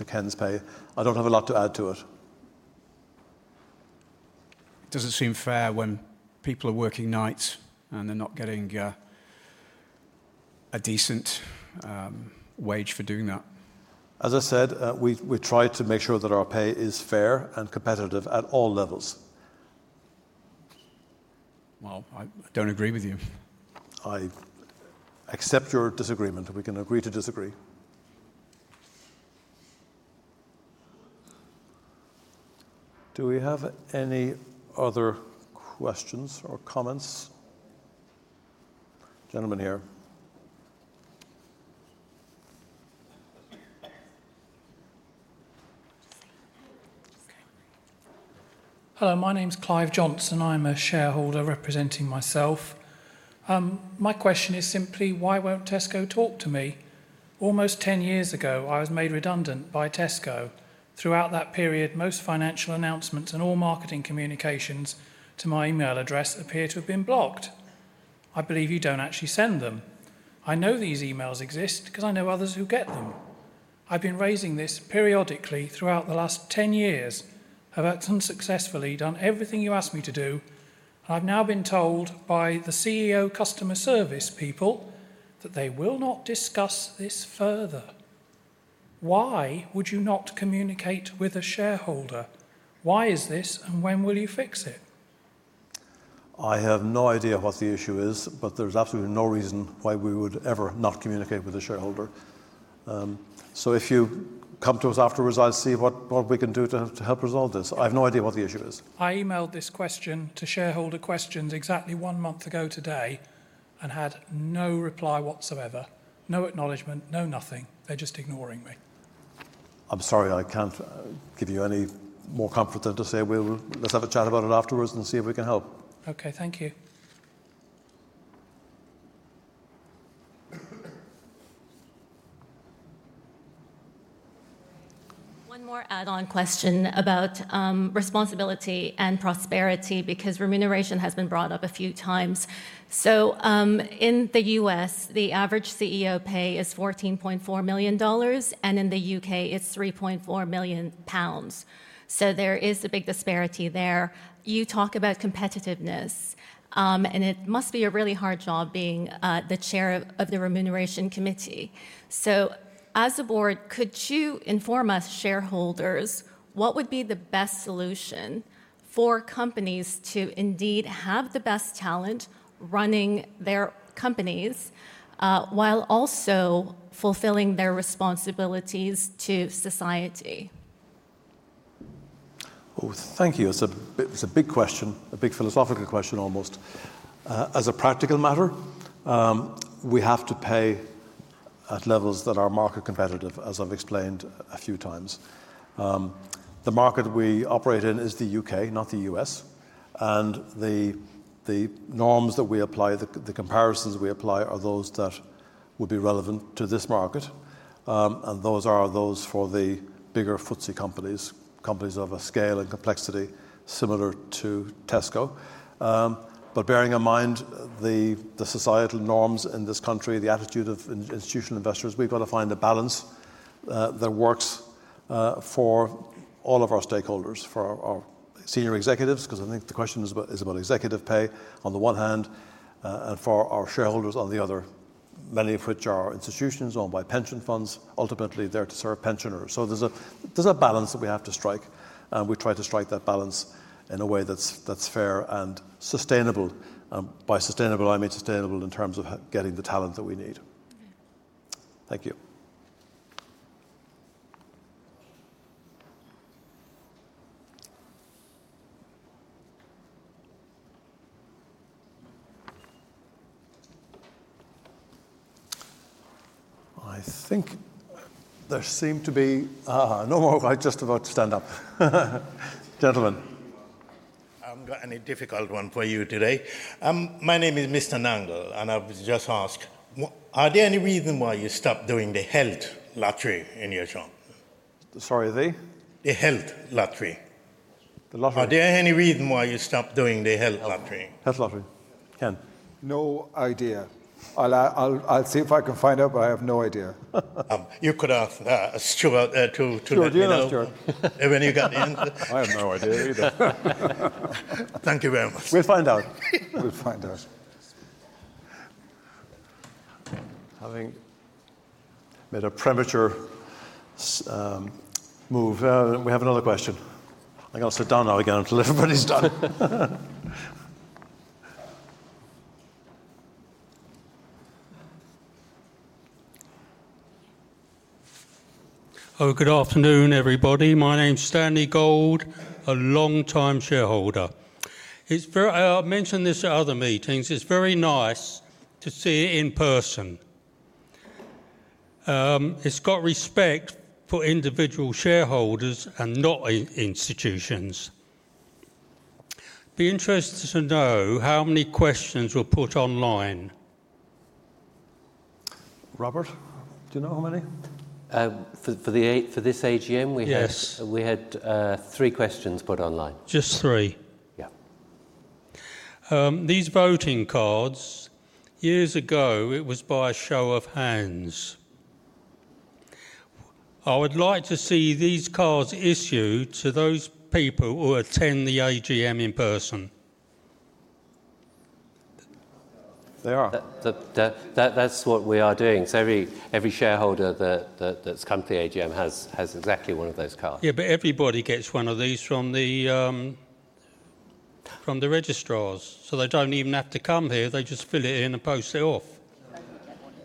Speaker 1: Ken's pay. I don't have a lot to add to.
Speaker 19: Doesn't seem fair when people are working nights and they're not getting a decent wage for doing that.
Speaker 1: As I said, we try to make sure that our pay is fair and competitive at all levels.
Speaker 19: Well, I don't agree with you.
Speaker 1: I accept your disagreement. We can agree to disagree. Do we have any other questions or comments?
Speaker 20: Gentlemen, here. Hello, my name is Clive Johnson. I'm a shareholder representing myself. My question is simply why won't Tesco talk to me? Almost 10 years ago, I was made redundant by Tesco. Throughout that period, most financial announcements and all marketing communications to my email address appear to have been blocked. I believe you don't actually send them. I know these emails exist because I know others who get them. I've been raising this periodically throughout the last 10 years. I've had some success. I've done everything you asked me to do. I've now been told by the CEO customer service people that they will not discuss this further. Why would you not communicate with a shareholder? Why is this and when will you fix it?
Speaker 1: I have no idea what the issue is, but there's absolutely no reason why we would ever not communicate with a shareholder. So if you come to us afterwards, I'll see what we can do to help resolve this. I have no idea what the issue is.
Speaker 20: I emailed this question to Shareholder Questions exactly one month ago today and had no reply whatsoever. No acknowledgement, no nothing. They're just ignoring me.
Speaker 1: I'm sorry, I can't give you any more comfort than to say, well, let's have a chat about it afterward and see if we can help.
Speaker 20: Okay, thank you.
Speaker 21: One more add on question about responsibility and prosperity because remuneration has been brought up a few times. So in the US the average CEO pay is $14.4 million and in the UK it's 3.4 million pounds. So there is a big disparity there. You talk about competitiveness and it must be a really hard job being the chair of the Remuneration Committee. So, as a board, could you inform us shareholders what would be the best solution for companies to indeed have the best talent running their companies while also fulfilling their responsibilities to society?
Speaker 1: Oh, thank you. It's a big question, a big philosophical question. Almost as a practical matter, we have to pay at levels that are market competitive. As I've explained a few times, the market we operate in is the U.K., not the U.S. And the norms that we apply, the comparisons we apply, are those that would be relevant to this market and those are those for the bigger FTSE companies, companies of a scale and complexity similar to Tesco. But bearing in mind the societal norms in this country, the attitude of institutional investors, we've got to find a balance that works for all of our stakeholders, for our senior executives, because I think the question is about executive pay on the one hand and for our shareholders on the other, many of which are institutions owned by pension funds, ultimately there to serve pensioners. So there's a balance that we have to strike and we try to strike that balance in a way that's fair and sustainable. By sustainable, I mean sustainable in terms of getting the talent that we need. Thank you. I think there seem to be no more. Quite. Just about to stand up, gentlemen.
Speaker 22: I've got a difficult one for you today. My name is Mr. Nangle and I was just asked, are there any reason? Why you stopped doing the Health Lottery in your shop?
Speaker 1: Sorry?
Speaker 22: The Health Lottery.
Speaker 1: The lottery.
Speaker 22: Are there any reason why you stopped doing the Health Lottery?
Speaker 1: Health Lottery, Ken?
Speaker 2: No idea. I'll see if I can find out, but I have no idea.
Speaker 22: You could ask Stewart there too. Do you know, Stewart, when you got the answer?
Speaker 23: I have no idea either.
Speaker 22: Thank you very much.
Speaker 1: We'll find out.
Speaker 2: We'll find out.
Speaker 1: Having made a premature move, we have another question. I can't sit down now again until everybody's done. Oh, good afternoon, everybody.
Speaker 24: My name's Stanley Gould, a long-time shareholder. If I mentioned this at other meetings, it's very nice to see it in person. It's got respect for individual shareholders and not institutions. Be interested to know how many questions were put online.
Speaker 1: Robert, do you know how many for.
Speaker 3: This AGM we had. We had three questions put online.
Speaker 1: Just three?
Speaker 3: Yeah.
Speaker 24: These voting cards, years ago, it was by a show of hands. I would like to see these cards issued to those people who attend the AGM in person.
Speaker 3: They are. That's what we are doing. So every shareholder that's come to the AGM has exactly one of those cards.
Speaker 24: Yeah, but everybody gets one of these from the registrars, so they don't even have to come here. They just fill it in and post it off.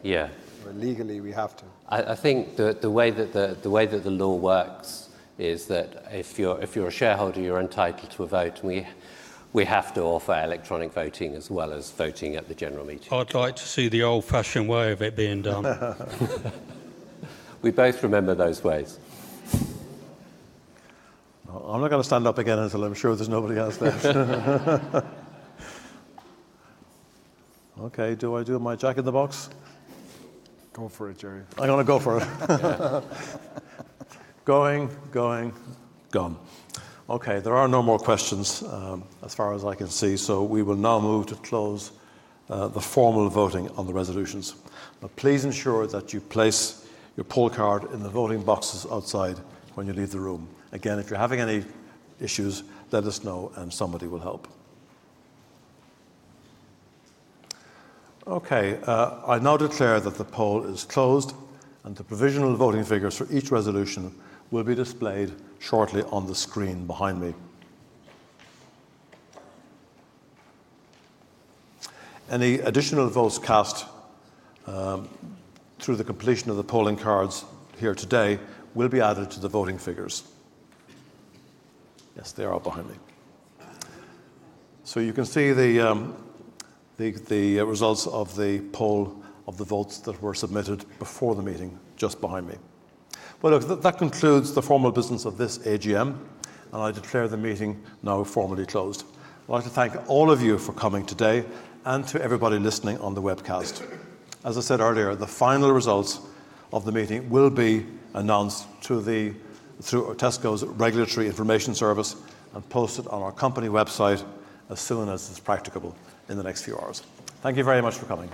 Speaker 3: Yeah
Speaker 1: legally, we have to.
Speaker 3: I think the way that the law works is that if you're a shareholder, you're entitled to a vote. We have to offer electronic voting as well as voting at the general meeting.
Speaker 24: I'd like to see the old-fashioned way of it being done.
Speaker 3: We both remember those ways.
Speaker 1: I'm not going to stand up again until I'm sure there's nobody else there. Okay. Do I do my Jack in the box?
Speaker 2: Go for it, Gerry.
Speaker 1: I'm going to go for it. Going, going, gone. Okay. There are no more questions as far as I can see. So we will now move to close the formal voting on the resolutions. Please ensure that you place your poll card in the voting boxes outside. When you leave the room again, if you're having any issues, let us know and somebody will help. Okay. I now declare that the poll is closed and the provisional voting figures for each resolution will be displayed shortly on the screen behind me. Any additional votes cast through the completion of the polling cards here today will be added to the voting figures. Yes, they are behind me. So you can see the results of the poll of the votes that were submitted before the meeting just behind me. Well, look, that concludes the formal business of this AGM and I declare the meeting now formally closed. I'd like to thank all of you for coming today. And to everybody listening on the webcast. As I said earlier, the final results of the meeting will be announced through Tesco's Regulatory Information Service and posted on our company website as soon as it's practicable in the next few hours. Thank you very much for coming.